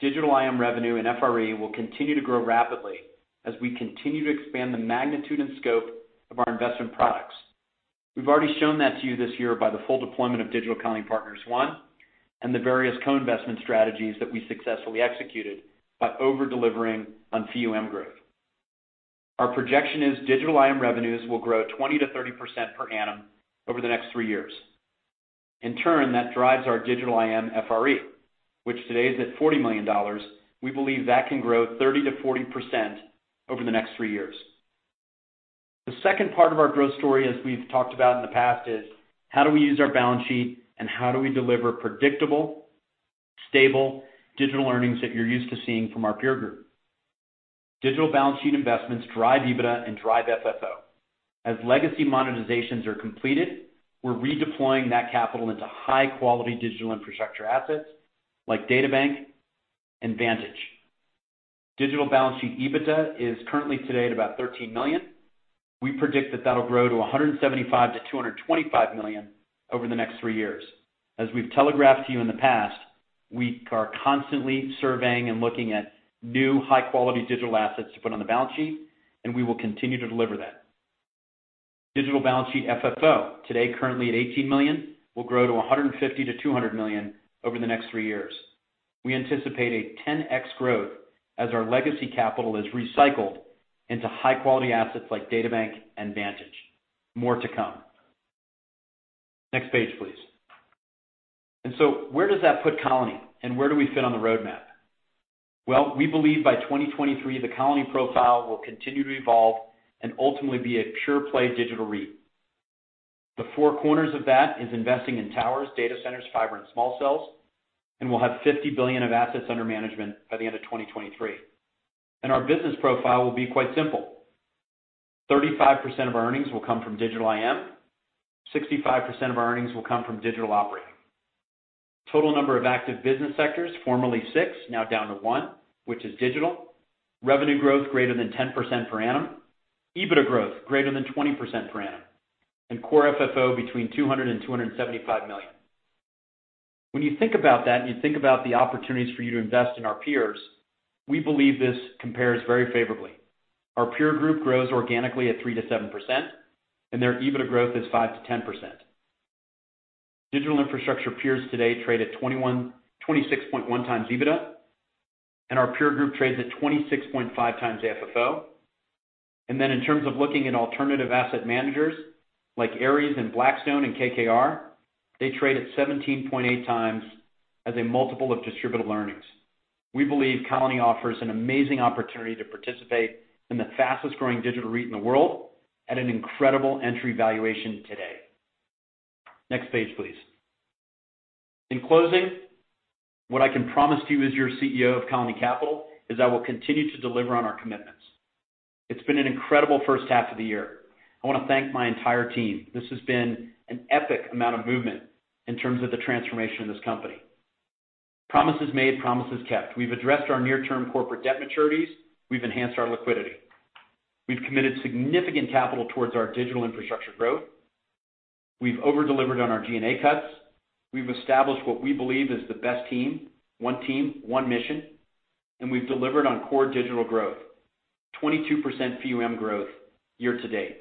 Digital IM revenue and FRE will continue to grow rapidly as we continue to expand the magnitude and scope of our investment products. We've already shown that to you this year by the full deployment of Digital Colony Partners 1 and the various co-investment strategies that we successfully executed by over-delivering on FEUM growth. Our projection is digital IM revenues will grow 20%-30% per annum over the next three years. In turn, that drives our digital IM FRE, which today is at $40 million. We believe that can grow 30%-40% over the next three years. The second part of our growth story, as we've talked about in the past, is how do we use our balance sheet and how do we deliver predictable, stable digital earnings that you're used to seeing from our peer group? Digital balance sheet investments drive EBITDA and drive FFO. As legacy monetizations are completed, we're redeploying that capital into high-quality digital infrastructure assets like DataBank and Vantage. Digital balance sheet EBITDA is currently today at about $13 million. We predict that that'll grow to $175 million-$225 million over the next three years. As we've telegraphed to you in the past, we are constantly surveying and looking at new high-quality digital assets to put on the balance sheet, and we will continue to deliver that. Digital balance sheet FFO, today currently at $18 million, will grow to $150 million-$200 million over the next three years. We anticipate a 10x growth as our legacy capital is recycled into high-quality assets like DataBank and Vantage. More to come. Next page, please. So where does that put Colony and where do we fit on the roadmap? We believe by 2023, the Colony profile will continue to evolve and ultimately be a pure-play digital REIT. The four corners of that is investing in towers, data centers, fiber, and small cells, and we'll have $50 billion of assets under management by the end of 2023. Our business profile will be quite simple. 35% of our earnings will come from digital IM. 65% of our earnings will come from digital operating. Total number of active business sectors, formerly six, now down to one, which is digital. Revenue growth greater than 10% per annum, EBITDA growth greater than 20% per annum, and core FFO between $200 million and $275 million. When you think about that and you think about the opportunities for you to invest in our peers, we believe this compares very favorably. Our peer group grows organically at 3% to 7%, and their EBITDA growth is 5% to 10%. Digital infrastructure peers today trade at 26.1x EBITDA, and our peer group trades at 26.5x FFO. And then in terms of looking at alternative asset managers like Ares and Blackstone and KKR, they trade at 17.8x as a multiple of distributable earnings. We believe Colony offers an amazing opportunity to participate in the fastest-growing digital REIT in the world at an incredible entry valuation today. Next page, please. In closing, what I can promise to you as your CEO of Colony Capital is I will continue to deliver on our commitments. It's been an incredible first half of the year. I want to thank my entire team. This has been an epic amount of movement in terms of the transformation of this company. Promises made, promises kept. We've addressed our near-term corporate debt maturities. We've enhanced our liquidity. We've committed significant capital towards our digital infrastructure growth. We've over-delivered on our G&A cuts. We've established what we believe is the best team, one team, one mission, and we've delivered on core digital growth, 22% FEUM growth year to date.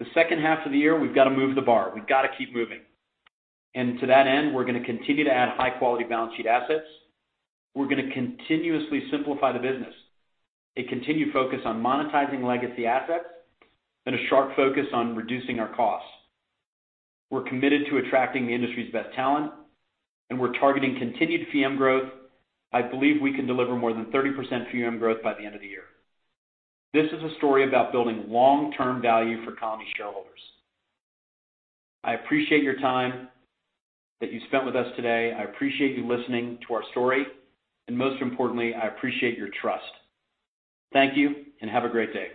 The second half of the year, we've got to move the bar. We've got to keep moving. And to that end, we're going to continue to add high-quality balance sheet assets. We're going to continuously simplify the business, a continued focus on monetizing legacy assets, and a sharp focus on reducing our costs. We're committed to attracting the industry's best talent, and we're targeting continued FEUM growth. I believe we can deliver more than 30% FEUM growth by the end of the year. This is a story about building long-term value for Colony shareholders. I appreciate your time that you spent with us today. I appreciate you listening to our story. And most importantly, I appreciate your trust. Thank you and have a great day.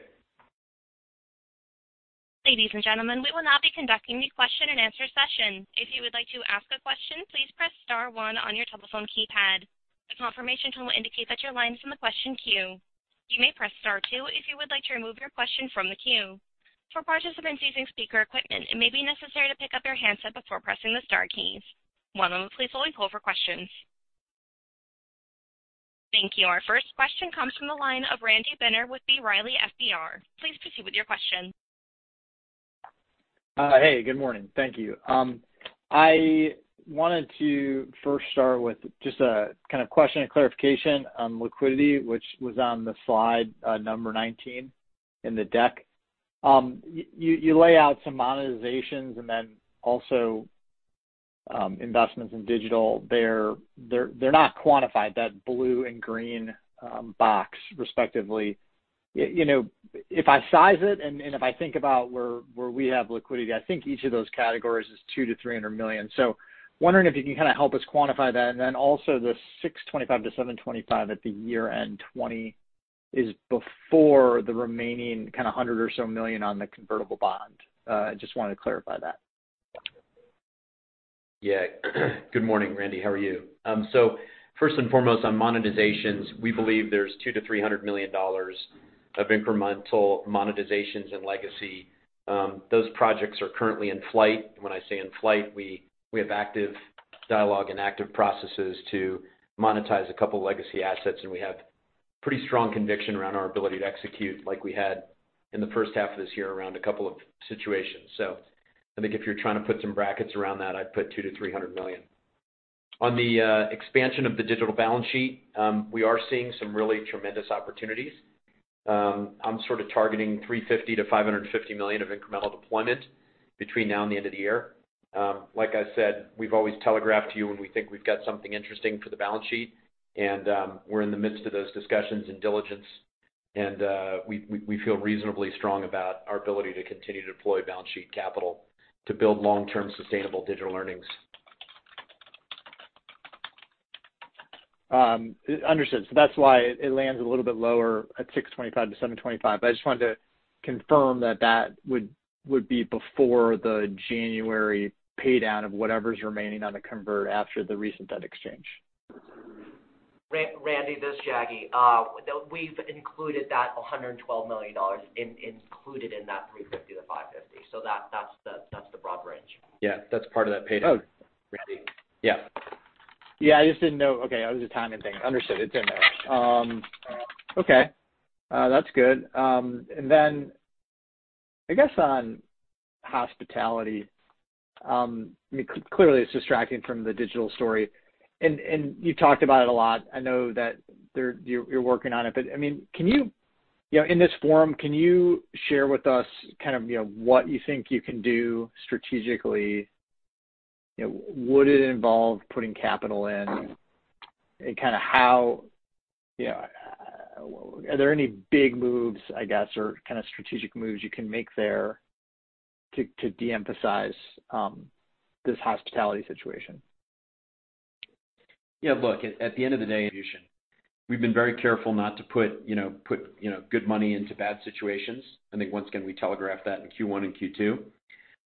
Ladies and gentlemen, we will now be conducting the question-and-answer session. If you would like to ask a question, please press star one on your telephone keypad. A confirmation will indicate that you're in line in the question queue. You may press star two if you would like to remove your question from the queue. For participants using speaker equipment, it may be necessary to pick up your handset before pressing the star keys. One moment, please, while we poll for questions. Thank you. Our first question comes from the line of Randy Binner with B. Riley FBR. Please proceed with your question. Hey, good morning. Thank you. I wanted to first start with just a kind of question and clarification on liquidity, which was on the slide number 19 in the deck. You lay out some monetizations and then also investments in digital. They're not quantified, that blue and green box, respectively. If I size it and if I think about where we have liquidity, I think each of those categories is $2 million-$300 million. So wondering if you can kind of help us quantify that. And then also the $625 million-$725 million at the year-end 2020 is before the remaining kind of $100 million or so on the convertible bond. I just wanted to clarify that. Yeah. Good morning, Randy. How are you? So first and foremost, on monetizations, we believe there's $200 million-$300 million of incremental monetizations in legacy. Those projects are currently in flight. When I say in flight, we have active dialogue and active processes to monetize a couple of legacy assets, and we have pretty strong conviction around our ability to execute like we had in the first half of this year around a couple of situations. So I think if you're trying to put some brackets around that, I'd put $200 million-$300 million. On the expansion of the digital balance sheet, we are seeing some really tremendous opportunities. I'm sort of targeting $350 million-$550 million of incremental deployment between now and the end of the year. Like I said, we've always telegraphed to you when we think we've got something interesting for the balance sheet, and we're in the midst of those discussions and diligence, and we feel reasonably strong about our ability to continue to deploy balance sheet capital to build long-term sustainable digital earnings. Understood. So that's why it lands a little bit lower at $625 million-$725 million. But I just wanted to confirm that that would be before the January paydown of whatever's remaining on the convert after the recent debt exchange. Randy, this is Jacky. We've included that $112 million in that $350 million-$550 million. So that's the broad range. Yeah. That's part of that paydown. Randy. Yeah. Yeah. I just didn't know. Okay. I was just timing things. Understood. It's in there. Okay. That's good. And then I guess on hospitality, I mean, clearly it's distracting from the digital story. And you've talked about it a lot. I know that you're working on it. But I mean, in this forum, can you share with us kind of what you think you can do strategically? Would it involve putting capital in and kind of how? Are there any big moves, I guess, or kind of strategic moves you can make there to de-emphasize this hospitality situation? Yeah. Look, at the end of the day. We've been very careful not to put good money into bad situations. I think once again, we telegraphed that in Q1 and Q2.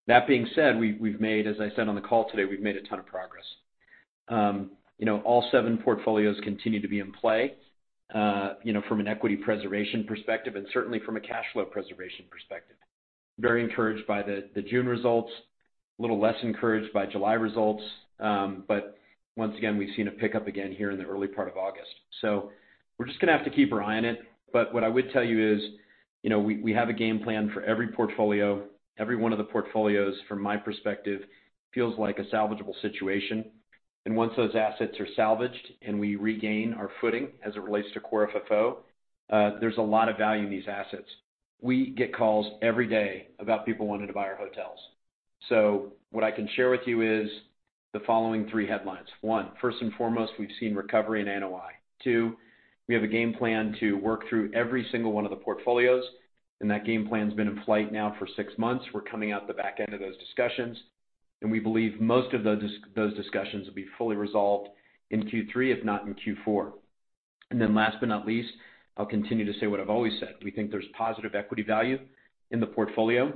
That being said, as I said on the call today, we've made a ton of progress. All seven portfolios continue to be in play from an equity preservation perspective and certainly from a cash flow preservation perspective. Very encouraged by the June results, a little less encouraged by July results. But once again, we've seen a pickup again here in the early part of August. So we're just going to have to keep our eye on it. But what I would tell you is we have a game plan for every portfolio. Every one of the portfolios, from my perspective, feels like a salvageable situation. Once those assets are salvaged and we regain our footing as it relates to Core FFO, there's a lot of value in these assets. We get calls every day about people wanting to buy our hotels. So what I can share with you is the following three headlines. One, first and foremost, we've seen recovery in NOI. Two, we have a game plan to work through every single one of the portfolios. That game plan's been in flight now for six months. We're coming out the back end of those discussions. We believe most of those discussions will be fully resolved in Q3, if not in Q4. Then last but not least, I'll continue to say what I've always said. We think there's positive equity value in the portfolio.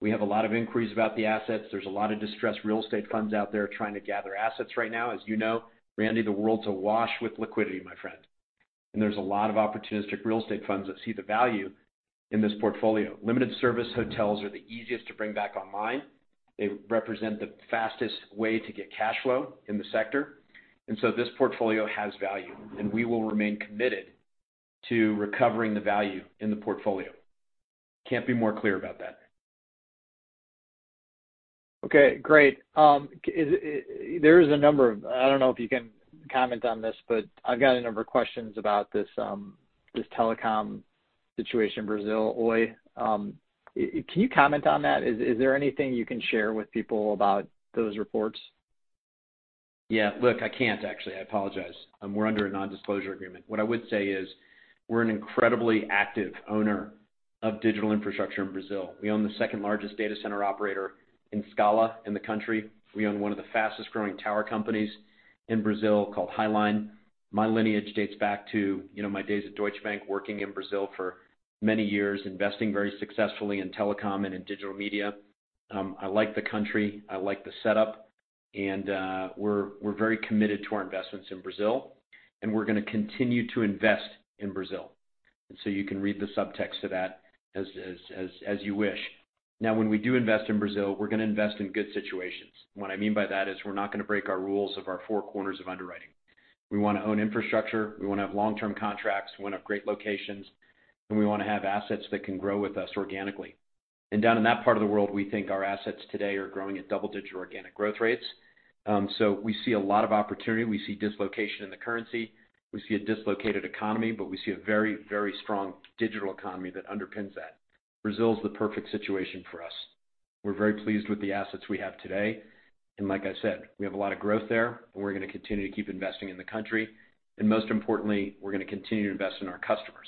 We have a lot of inquiries about the assets. There's a lot of distressed real estate funds out there trying to gather assets right now. As you know, Randy, the world's awash with liquidity, my friend. And there's a lot of opportunistic real estate funds that see the value in this portfolio. Limited service hotels are the easiest to bring back online. They represent the fastest way to get cash flow in the sector. And so this portfolio has value. And we will remain committed to recovering the value in the portfolio. Can't be more clear about that. Okay. Great. There is a number of, I don't know if you can comment on this, but I've got a number of questions about this telecom situation, Brazil, Oi. Can you comment on that? Is there anything you can share with people about those reports? Yeah. Look, I can't, actually. I apologize. We're under a non-disclosure agreement. What I would say is we're an incredibly active owner of digital infrastructure in Brazil. We own the second largest data center operator in Scala in the country. We own one of the fastest-growing tower companies in Brazil called Highline. My lineage dates back to my days at Deutsche Bank, working in Brazil for many years, investing very successfully in telecom and in digital media. I like the country. I like the setup, and we're very committed to our investments in Brazil. We're going to continue to invest in Brazil, and so you can read the subtext to that as you wish. Now, when we do invest in Brazil, we're going to invest in good situations. What I mean by that is we're not going to break our rules of our four corners of underwriting. We want to own infrastructure. We want to have long-term contracts. We want to have great locations. And we want to have assets that can grow with us organically, and down in that part of the world, we think our assets today are growing at double-digit organic growth rates. So we see a lot of opportunity. We see dislocation in the currency. We see a dislocated economy, but we see a very, very strong digital economy that underpins that. Brazil is the perfect situation for us. We're very pleased with the assets we have today, and like I said, we have a lot of growth there, and we're going to continue to keep investing in the country, and most importantly, we're going to continue to invest in our customers.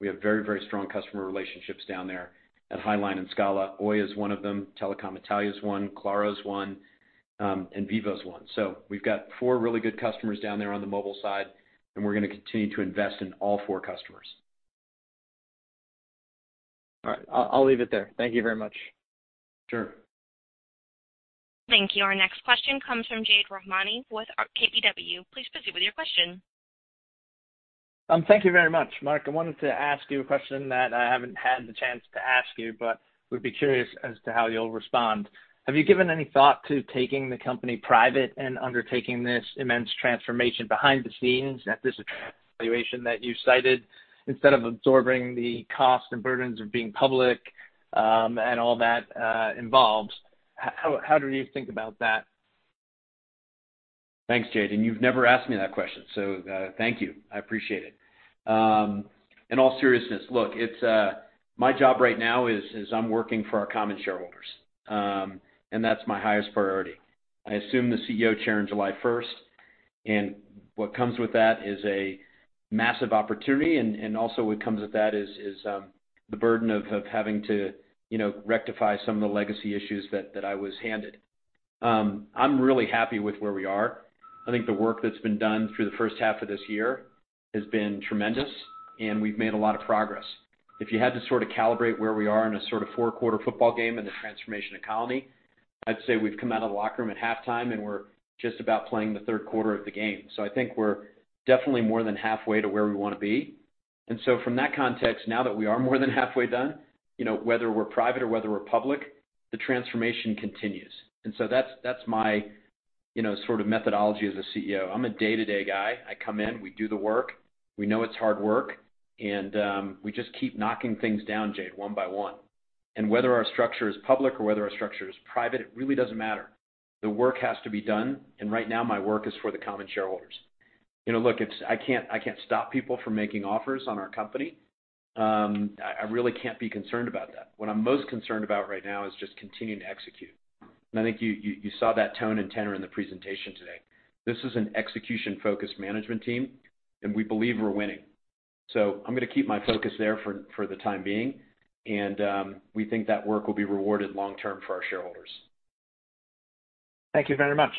We have very, very strong customer relationships down there at Highline and Scala. Oi is one of them. Telecom Italia is one. Claro is one. And Vivo is one. So we've got four really good customers down there on the mobile side. And we're going to continue to invest in all four customers. All right. I'll leave it there. Thank you very much. Sure. Thank you. Our next question comes from Jade Rahmani with KBW. Please proceed with your question. Thank you very much, Marc. I wanted to ask you a question that I haven't had the chance to ask you, but would be curious as to how you'll respond. Have you given any thought to taking the company private and undertaking this immense transformation behind the scenes at this evaluation that you cited instead of absorbing the cost and burdens of being public and all that involved? How do you think about that? Thanks, Jade. And you've never asked me that question. So thank you. I appreciate it. In all seriousness, look, my job right now is I'm working for our common shareholders. And that's my highest priority. I assume the CEO chair on July 1st. And what comes with that is a massive opportunity. And also, what comes with that is the burden of having to rectify some of the legacy issues that I was handed. I'm really happy with where we are. I think the work that's been done through the first half of this year has been tremendous. And we've made a lot of progress. If you had to sort of calibrate where we are in a sort of four-quarter football game in the transformation economy, I'd say we've come out of the locker room at halftime, and we're just about playing the third quarter of the game. So I think we're definitely more than halfway to where we want to be. And so from that context, now that we are more than halfway done, whether we're private or whether we're public, the transformation continues. And so that's my sort of methodology as a CEO. I'm a day-to-day guy. I come in. We do the work. We know it's hard work. And we just keep knocking things down, Jade, one by one. And whether our structure is public or whether our structure is private, it really doesn't matter. The work has to be done. And right now, my work is for the common shareholders. Look, I can't stop people from making offers on our company. I really can't be concerned about that. What I'm most concerned about right now is just continuing to execute. And I think you saw that tone and tenor in the presentation today. This is an execution-focused management team. And we believe we're winning. So I'm going to keep my focus there for the time being. And we think that work will be rewarded long-term for our shareholders. Thank you very much.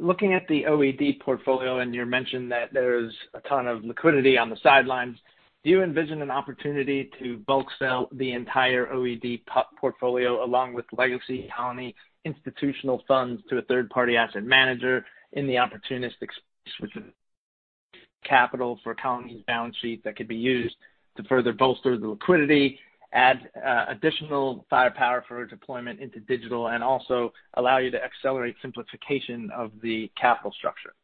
Looking at the OE&D portfolio, and you mentioned that there's a ton of liquidity on the sidelines, do you envision an opportunity to bulk sell the entire OE&D portfolio along with legacy Colony institutional funds to a third-party asset manager in the opportunistic space with capital for Colony's balance sheet that could be used to further bolster the liquidity, add additional firepower for deployment into digital, and also allow you to accelerate simplification of the capital structure?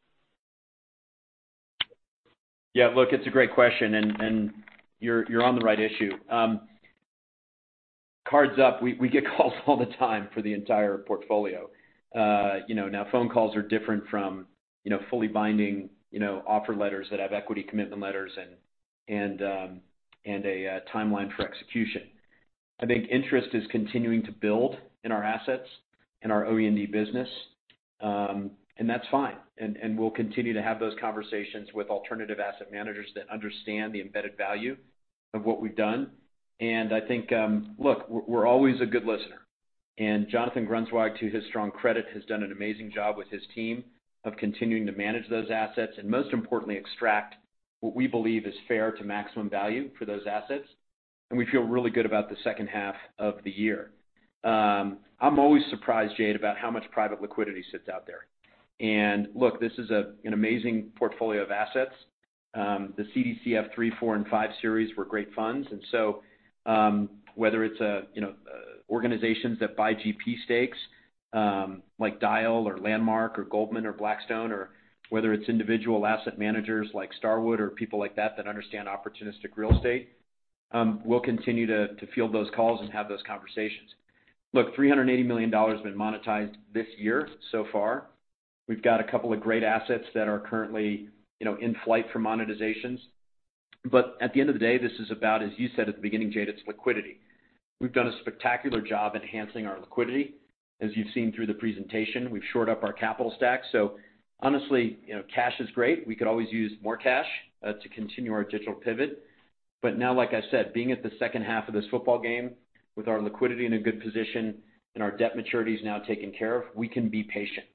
Yeah. Look, it's a great question. And you're on the right issue. Cards up. We get calls all the time for the entire portfolio. Now, phone calls are different from fully binding offer letters that have equity commitment letters and a timeline for execution. I think interest is continuing to build in our assets and our OE&D business, and that's fine. And we'll continue to have those conversations with alternative asset managers that understand the embedded value of what we've done. And I think, look, we're always a good listener. And Jonathan Grunzweig, to his strong credit, has done an amazing job with his team of continuing to manage those assets and, most importantly, extract what we believe is fair to maximum value for those assets. And we feel really good about the second half of the year. I'm always surprised, Jade, about how much private liquidity sits out there. Look, this is an amazing portfolio of assets. The CDCF III, IV, and V series were great funds. And so whether it's organizations that buy GP stakes like Dyal or Landmark or Goldman or Blackstone, or whether it's individual asset managers like Starwood or people like that that understand opportunistic real estate, we'll continue to field those calls and have those conversations. Look, $380 million has been monetized this year so far. We've got a couple of great assets that are currently in flight for monetizations. But at the end of the day, this is about, as you said at the beginning, Jade, it's liquidity. We've done a spectacular job enhancing our liquidity. As you've seen through the presentation, we've shored up our capital stack. So honestly, cash is great. We could always use more cash to continue our digital pivot. But now, like I said, being at the second half of this football game with our liquidity in a good position and our debt maturities now taken care of, we can be patient.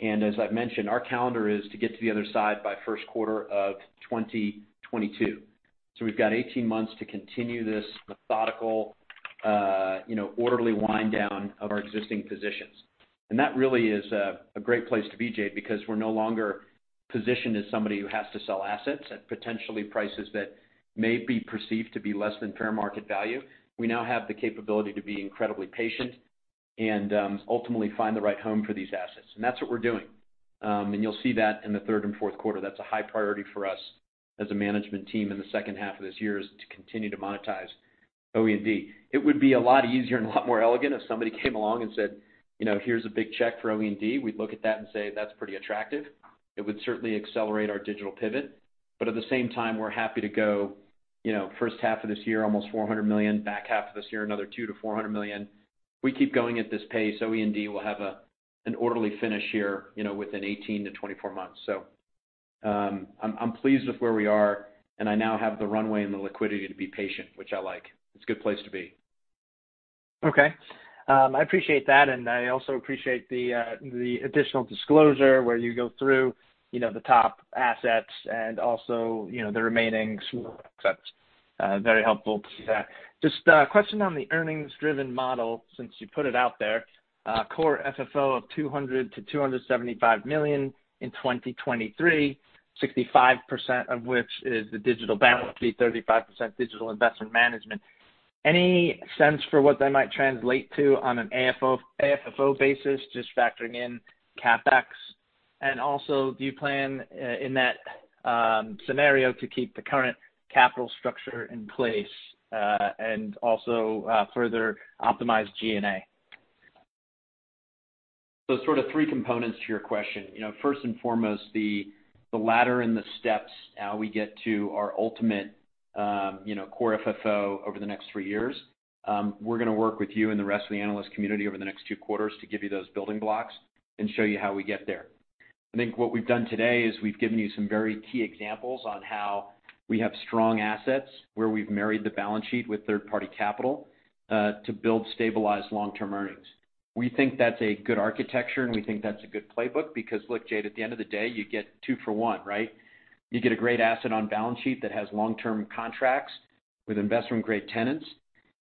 And as I've mentioned, our calendar is to get to the other side by first quarter of 2022. So we've got 18 months to continue this methodical, orderly wind-down of our existing positions. And that really is a great place to be, Jade, because we're no longer positioned as somebody who has to sell assets at potentially prices that may be perceived to be less than fair market value. We now have the capability to be incredibly patient and ultimately find the right home for these assets. And that's what we're doing. And you'll see that in the third and fourth quarter. That's a high priority for us as a management team in the second half of this year is to continue to monetize OE&D. It would be a lot easier and a lot more elegant if somebody came along and said, "Here's a big check for OE&D." We'd look at that and say, "That's pretty attractive." It would certainly accelerate our digital pivot. But at the same time, we're happy to go first half of this year, almost $400 million. Back half of this year, another $200 million-$400 million. If we keep going at this pace, OE&D will have an orderly finish here within 18 months-24 months. So I'm pleased with where we are. And I now have the runway and the liquidity to be patient, which I like. It's a good place to be. Okay. I appreciate that. And I also appreciate the additional disclosure where you go through the top assets and also the remaining small assets. Very helpful to see that. Just a question on the earnings-driven model since you put it out there. Core FFO of $200 million-$275 million in 2023, 65% of which is the digital balance sheet, 35% digital investment management. Any sense for what that might translate to on an AFFO basis, just factoring in CapEx? And also, do you plan in that scenario to keep the current capital structure in place and also further optimize G&A? So sort of three components to your question. First and foremost, the ladder and the steps how we get to our ultimate Core FFO over the next three years. We're going to work with you and the rest of the analyst community over the next two quarters to give you those building blocks and show you how we get there. I think what we've done today is we've given you some very key examples on how we have strong assets where we've married the balance sheet with third-party capital to build stabilized long-term earnings. We think that's a good architecture. And we think that's a good playbook because, look, Jade, at the end of the day, you get two for one, right? You get a great asset on balance sheet that has long-term contracts with investment-grade tenants.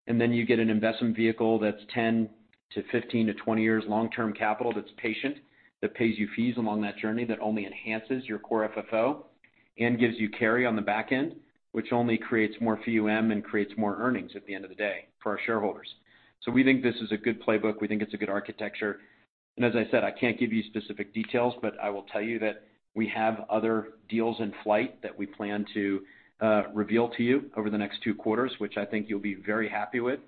And then you get an investment vehicle that's 10 to 15 to 20 years long-term capital that's patient, that pays you fees along that journey, that only enhances your Core FFO and gives you carry on the back end, which only creates more AUM and creates more earnings at the end of the day for our shareholders. So we think this is a good playbook. We think it's a good architecture. And as I said, I can't give you specific details, but I will tell you that we have other deals in flight that we plan to reveal to you over the next two quarters, which I think you'll be very happy with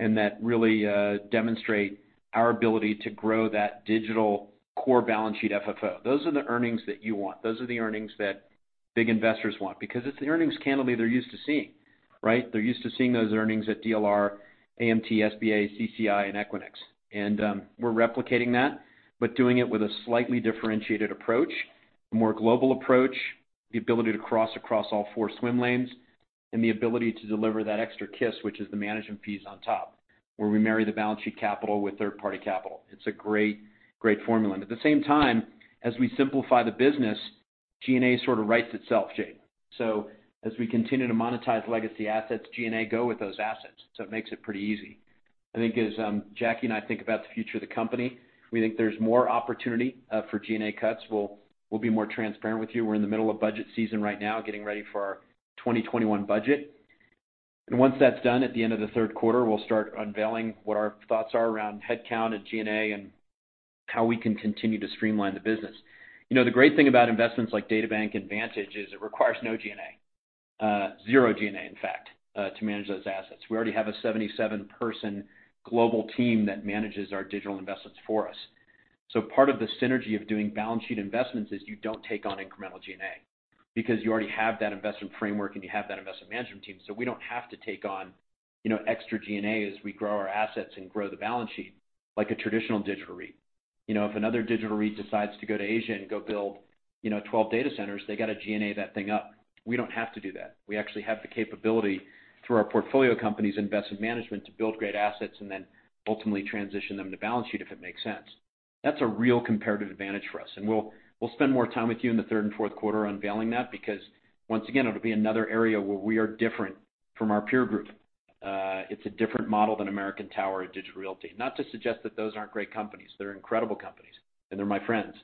and that really demonstrate our ability to grow that digital Core Balance Sheet FFO. Those are the earnings that you want. Those are the earnings that big investors want because it's the earnings candle they're used to seeing, right? They're used to seeing those earnings at DLR, AMT, SBA, CCI, and Equinix. And we're replicating that, but doing it with a slightly differentiated approach, a more global approach, the ability to cross across all four swim lanes, and the ability to deliver that extra kiss, which is the management fees on top, where we marry the balance sheet capital with third-party capital. It's a great formula. And at the same time, as we simplify the business, G&A sort of writes itself, Jade. So as we continue to monetize legacy assets, G&A go with those assets. So it makes it pretty easy. I think as Jackie and I think about the future of the company, we think there's more opportunity for G&A cuts. We'll be more transparent with you. We're in the middle of budget season right now, getting ready for our 2021 budget. And once that's done, at the end of the third quarter, we'll start unveiling what our thoughts are around headcount and G&A and how we can continue to streamline the business. The great thing about investments like DataBank and Vantage is it requires no G&A, zero G&A, in fact, to manage those assets. We already have a 77-person global team that manages our digital investments for us. So part of the synergy of doing balance sheet investments is you don't take on incremental G&A because you already have that investment framework and you have that investment management team. So we don't have to take on extra G&A as we grow our assets and grow the balance sheet like a traditional digital REIT. If another digital REIT decides to go to Asia and go build 12 data centers, they got to G&A that thing up. We don't have to do that. We actually have the capability through our portfolio companies' investment management to build great assets and then ultimately transition them to balance sheet if it makes sense. That's a real comparative advantage for us, and we'll spend more time with you in the third and fourth quarter unveiling that because, once again, it'll be another area where we are different from our peer group. It's a different model than American Tower and Digital Realty. Not to suggest that those aren't great companies. They're incredible companies, and they're my friends,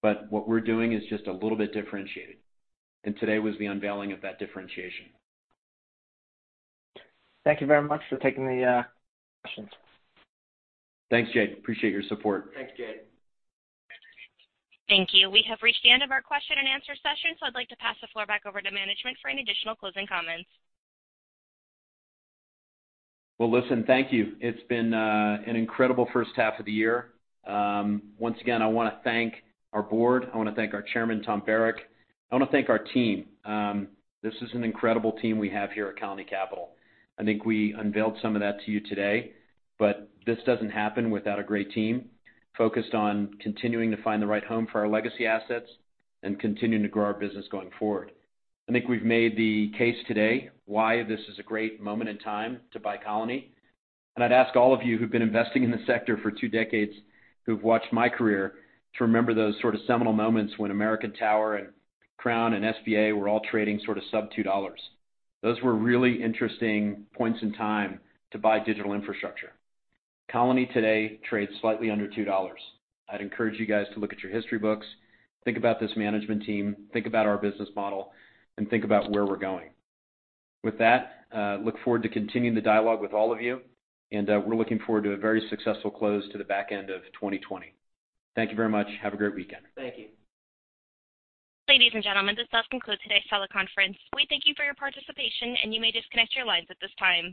but what we're doing is just a little bit differentiated, and today was the unveiling of that differentiation. Thank you very much for taking the questions. Thanks, Jade. Appreciate your support. Thanks, Jade. Thank you. We have reached the end of our question and answer session. So I'd like to pass the floor back over to management for any additional closing comments. Listen, thank you. It's been an incredible first half of the year. Once again, I want to thank our board. I want to thank our chairman, Tom Barrack. I want to thank our team. This is an incredible team we have here at Colony Capital. I think we unveiled some of that to you today. But this doesn't happen without a great team focused on continuing to find the right home for our legacy assets and continuing to grow our business going forward. I think we've made the case today why this is a great moment in time to buy Colony. I'd ask all of you who've been investing in the sector for two decades, who've watched my career, to remember those sort of seminal moments when American Tower and Crown and SBA were all trading sort of sub-$2. Those were really interesting points in time to buy digital infrastructure. Colony today trades slightly under $2. I'd encourage you guys to look at your history books, think about this management team, think about our business model, and think about where we're going. With that, look forward to continuing the dialogue with all of you. And we're looking forward to a very successful close to the back end of 2020. Thank you very much. Have a great weekend. Thank you. Ladies and gentlemen, this does conclude today's teleconference. We thank you for your participation, and you may disconnect your lines at this time.